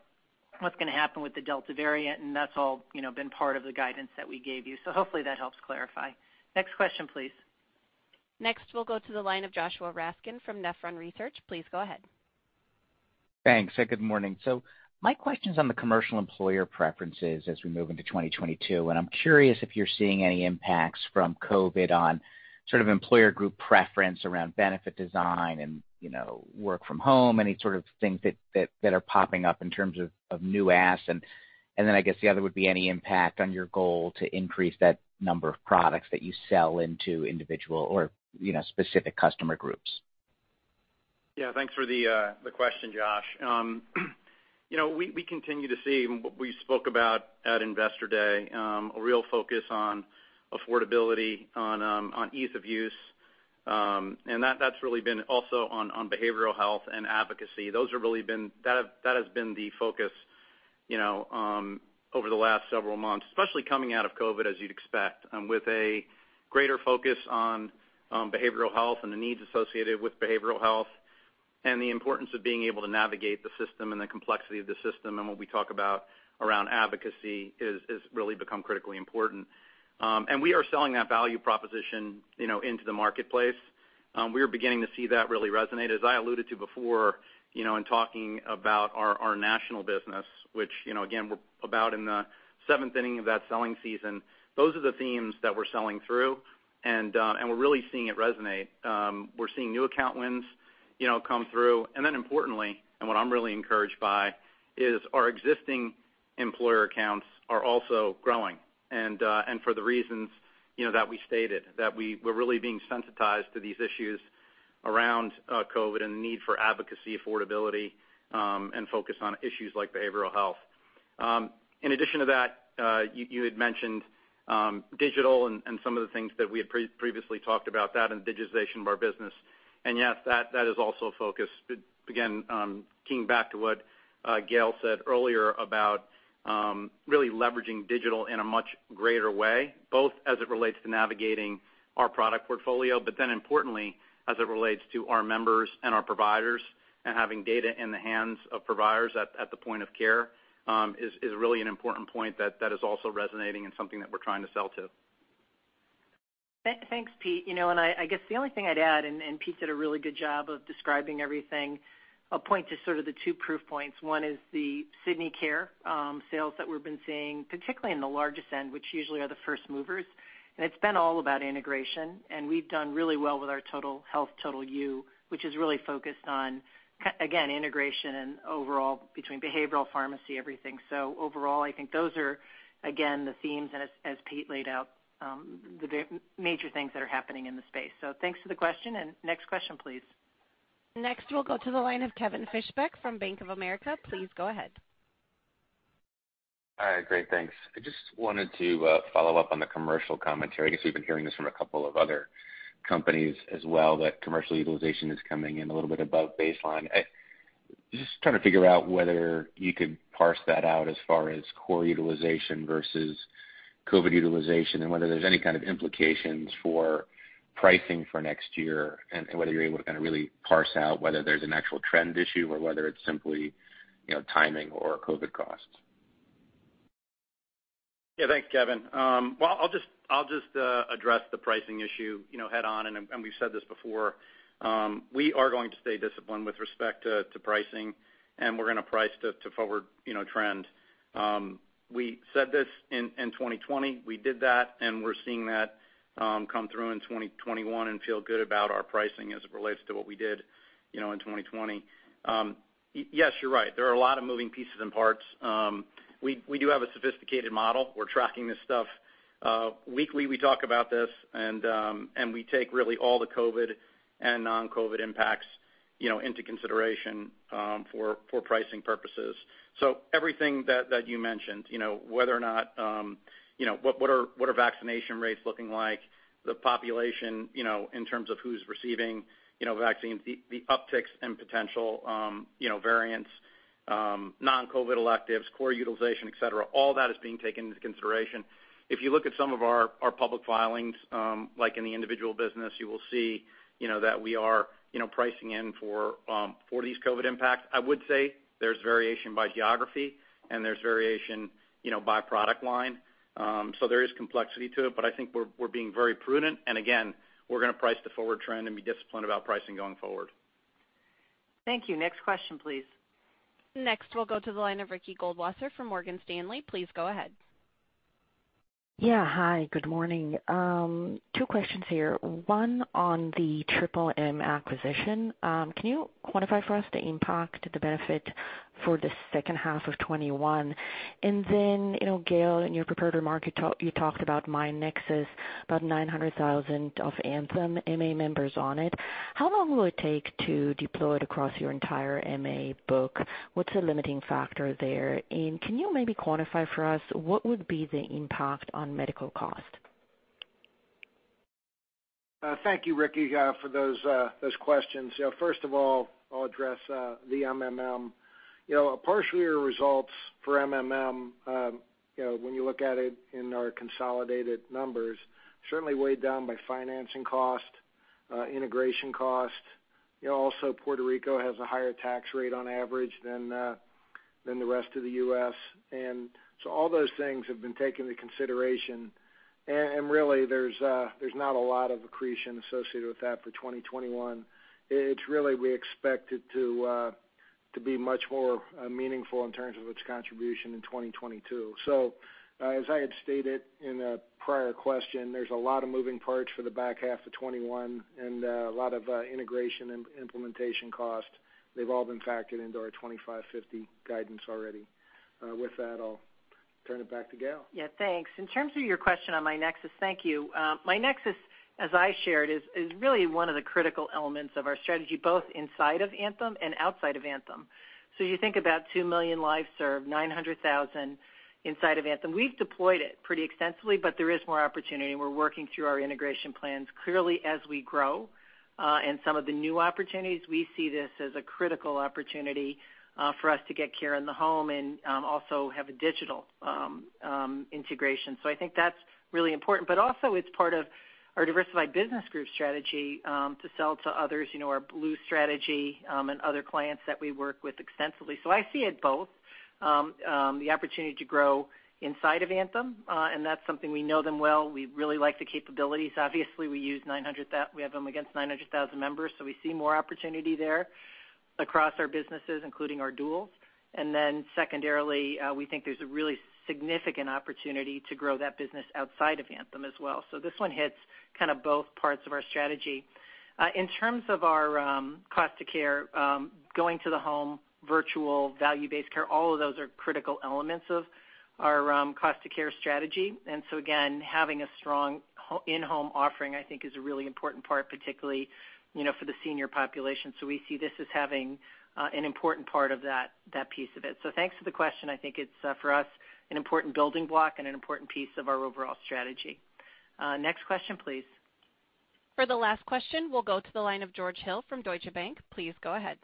S3: what's going to happen with the Delta variant, and that's all been part of the guidance that we gave you. Hopefully that helps clarify. Next question, please.
S1: Next, we'll go to the line of Joshua Raskin from Nephron Research. Please go ahead.
S19: Thanks, and good morning. My question's on the commercial employer preferences as we move into 2022, and I'm curious if you're seeing any impacts from COVID on sort of employer group preference around benefit design and work from home, any sort of things that are popping up in terms of new asks. Then I guess the other would be any impact on your goal to increase that number of products that you sell into individual or specific customer groups.
S13: Yeah, thanks for the question, Josh. We continue to see what we spoke about at Investor Day, a real focus on affordability, on ease of use. That's really been also on behavioral health and advocacy. That has been the focus over the last several months, especially coming out of COVID, as you'd expect, with a greater focus on behavioral health and the needs associated with behavioral health, and the importance of being able to navigate the system and the complexity of the system. What we talk about around advocacy has really become critically important. We are selling that value proposition into the marketplace. We are beginning to see that really resonate. As I alluded to before, in talking about our national business, which, again, we're about in the seventh inning of that selling season, those are the themes that we're selling through, and we're really seeing it resonate. We're seeing new account wins come through. Importantly, what I'm really encouraged by, is our existing employer accounts are also growing. For the reasons that we stated, that we're really being sensitized to these issues around COVID and the need for advocacy, affordability, and focus on issues like behavioral health. In addition to that, you had mentioned digital and some of the things that we had previously talked about, that and digitization of our business. Yes, that is also a focus. Keying back to what Gail said earlier about really leveraging digital in a much greater way, both as it relates to navigating our product portfolio, importantly, as it relates to our members and our providers. Having data in the hands of providers at the point of care is really an important point that is also resonating and something that we're trying to sell to.
S3: Thanks, Pete. I guess the only thing I'd add, Pete did a really good job of describing everything. I'll point to sort of the two proof points. One is the Sydney Health sales that we've been seeing, particularly in the largest end, which usually are the first movers, and it's been all about integration. We've done really well with our Total Health, Total You, which is really focused on, again, integration and overall between behavioral pharmacy, everything. Overall, I think those are, again, the themes, and as Pete laid out, the major things that are happening in the space. Thanks for the question. Next question, please.
S1: Next, we'll go to the line of Kevin Fischbeck from Bank of America. Please go ahead.
S20: All right. Great. Thanks. I just wanted to follow up on the commercial commentary. I guess we've been hearing this from a couple of other companies as well, that commercial utilization is coming in a little bit above baseline. Just trying to figure out whether you could parse that out as far as core utilization versus COVID utilization, and whether there's any kind of implications for pricing for next year, and whether you're able to kind of really parse out whether there's an actual trend issue or whether it's simply timing or COVID costs.
S13: Thanks, Kevin. Well, I'll just address the pricing issue head on. We've said this before. We are going to stay disciplined with respect to pricing. We're going to price to forward trend. We said this in 2020. We did that. We're seeing that come through in 2021 and feel good about our pricing as it relates to what we did in 2020. You're right. There are a lot of moving pieces and parts. We do have a sophisticated model. We're tracking this stuff. Weekly, we talk about this. We take really all the COVID and non-COVID impacts into consideration for pricing purposes. Everything that you mentioned, what are vaccination rates looking like? The population in terms of who's receiving vaccines, the upticks in potential variants, non-COVID electives, core utilization, etc, all that is being taken into consideration. If you look at some of our public filings, like in the individual business, you will see that we are pricing in for these COVID impacts. I would say there's variation by geography and there's variation by product line. There is complexity to it, but I think we're being very prudent. Again, we're going to price to forward trend and be disciplined about pricing going forward.
S3: Thank you. Next question, please.
S1: Next, we'll go to the line of Ricky Goldwasser from Morgan Stanley. Please go ahead.
S21: Yeah. Hi, good morning. Two questions here. One on the MMM acquisition. Can you quantify for us the impact, the benefit for the second half of 2021? Then, Gail, in your prepared remarks, you talked about myNEXUS, about 900,000 of Anthem MA members on it. How long will it take to deploy it across your entire MA book? What's the limiting factor there? Can you maybe quantify for us what would be the impact on medical cost?
S4: Thank you, Ricky, for those questions. First of all, I'll address the MMM. Partially our results for MMM, when you look at it in our consolidated numbers, certainly weighed down by financing cost, integration cost. Also Puerto Rico has a higher tax rate on average than the rest of the U.S. All those things have been taken into consideration. Really there's not a lot of accretion associated with that for 2021. It's really, we expect it to be much more meaningful in terms of its contribution in 2022. As I had stated in a prior question, there's a lot of moving parts for the back half of 2021 and a lot of integration and implementation costs. They've all been factored into our $25.50 guidance already. With that, I'll turn it back to Gail.
S3: Yeah, thanks. In terms of your question on myNEXUS, thank you. myNEXUS, as I shared, is really one of the critical elements of our strategy, both inside of Anthem and outside of Anthem. You think about 2 million lives served, 900,000 inside of Anthem. We've deployed it pretty extensively, but there is more opportunity, and we're working through our integration plans clearly as we grow. Some of the new opportunities, we see this as a critical opportunity for us to get care in the home and also have a digital integration. I think that's really important, but also it's part of our diversified business group strategy to sell to others, our Blue strategy, and other clients that we work with extensively. I see it both, the opportunity to grow inside of Anthem, and that's something we know them well. We really like the capabilities. We have them against 900,000 members, we see more opportunity there across our businesses, including our duals. Secondarily, we think there's a really significant opportunity to grow that business outside of Anthem as well. This one hits both parts of our strategy. In terms of our cost to care, going to the home, virtual value-based care, all of those are critical elements of our cost to care strategy. Again, having a strong in-home offering, I think is a really important part, particularly, for the senior population. We see this as having an important part of that piece of it. Thanks for the question. I think it's, for us, an important building block and an important piece of our overall strategy. Next question, please.
S1: For the last question, we'll go to the line of George Hill from Deutsche Bank. Please go ahead.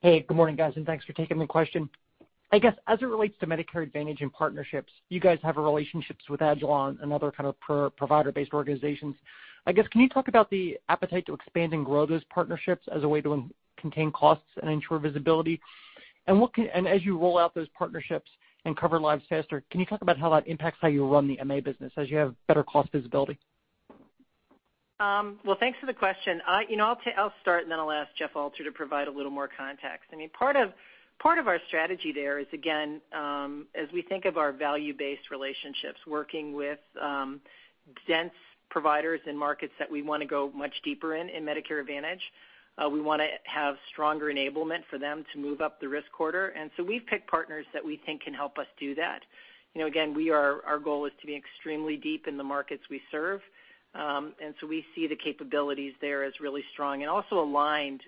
S22: Hey, good morning, guys, and thanks for taking the question. I guess as it relates to Medicare Advantage and partnerships, you guys have relationships with agilon and other kind of provider-based organizations. I guess, can you talk about the appetite to expand and grow those partnerships as a way to contain costs and ensure visibility? As you roll out those partnerships and cover lives faster, can you talk about how that impacts how you run the MA business as you have better cost visibility?
S3: Well, thanks for the question. I'll start, and then I'll ask Jeff Alter to provide a little more context. Part of our strategy there is, again, as we think of our value-based relationships, working with dense providers in markets that we want to go much deeper in Medicare Advantage. We want to have stronger enablement for them to move up the risk corridor. So we've picked partners that we think can help us do that. Again, our goal is to be extremely deep in the markets we serve. So we see the capabilities there as really strong and also aligned,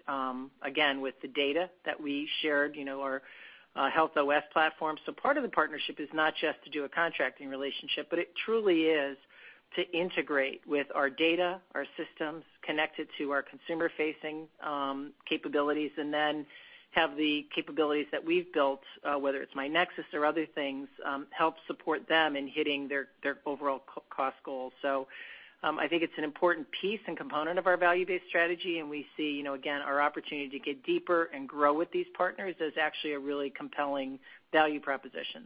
S3: again, with the data that we shared, our Health OS platform. Part of the partnership is not just to do a contracting relationship, but it truly is to integrate with our data, our systems, connect it to our consumer-facing capabilities, and then have the capabilities that we've built, whether it's myNEXUS or other things, help support them in hitting their overall cost goals. I think it's an important piece and component of our value-based strategy, and we see, again, our opportunity to get deeper and grow with these partners as actually a really compelling value proposition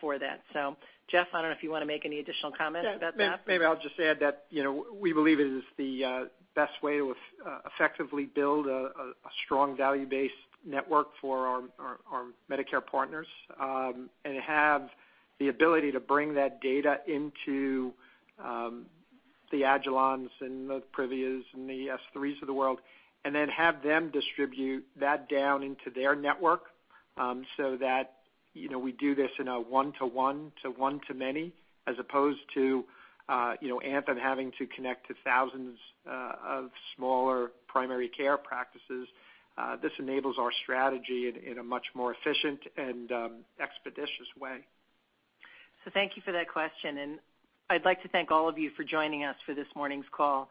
S3: for that. Jeff, I don't know if you want to make any additional comments about that?
S9: Maybe I'll just add that we believe it is the best way to effectively build a strong value-based network for our Medicare partners, and have the ability to bring that data into the agilons and the Privia and the S3s of the world, and then have them distribute that down into their network, so that we do this in a one to one to one to many, as opposed to Anthem having to connect to thousands of smaller primary care practices. This enables our strategy in a much more efficient and expeditious way.
S3: Thank you for that question. I'd like to thank all of you for joining us for this morning's call.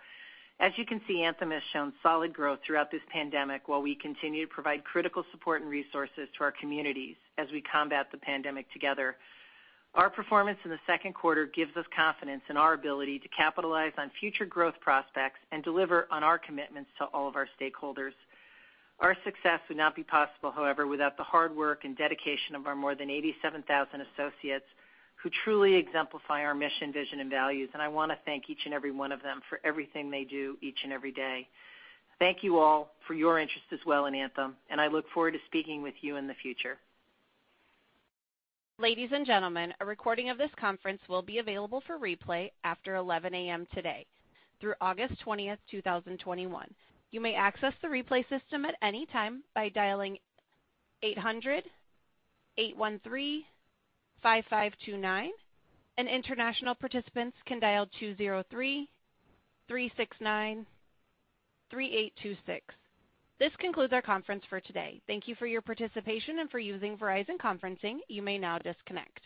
S3: As you can see, Anthem has shown solid growth throughout this pandemic while we continue to provide critical support and resources to our communities as we combat the pandemic together. Our performance in the second quarter gives us confidence in our ability to capitalize on future growth prospects and deliver on our commitments to all of our stakeholders. Our success would not be possible, however, without the hard work and dedication of our more than 87,000 associates, who truly exemplify our mission, vision, and values, and I want to thank each and every one of them for everything they do each and every day. Thank you all for your interest as well in Anthem, and I look forward to speaking with you in the future.
S1: Ladies and gentlemen, a recording of this conference will be available for replay after 11:00 A.M. today through August 20th, 2021. You may access the replay system at any time by dialing 800-813-5529, and international participants can dial 203-369-3826. This concludes our conference for today. Thank you for your participation and for using Verizon Conferencing. You may now disconnect.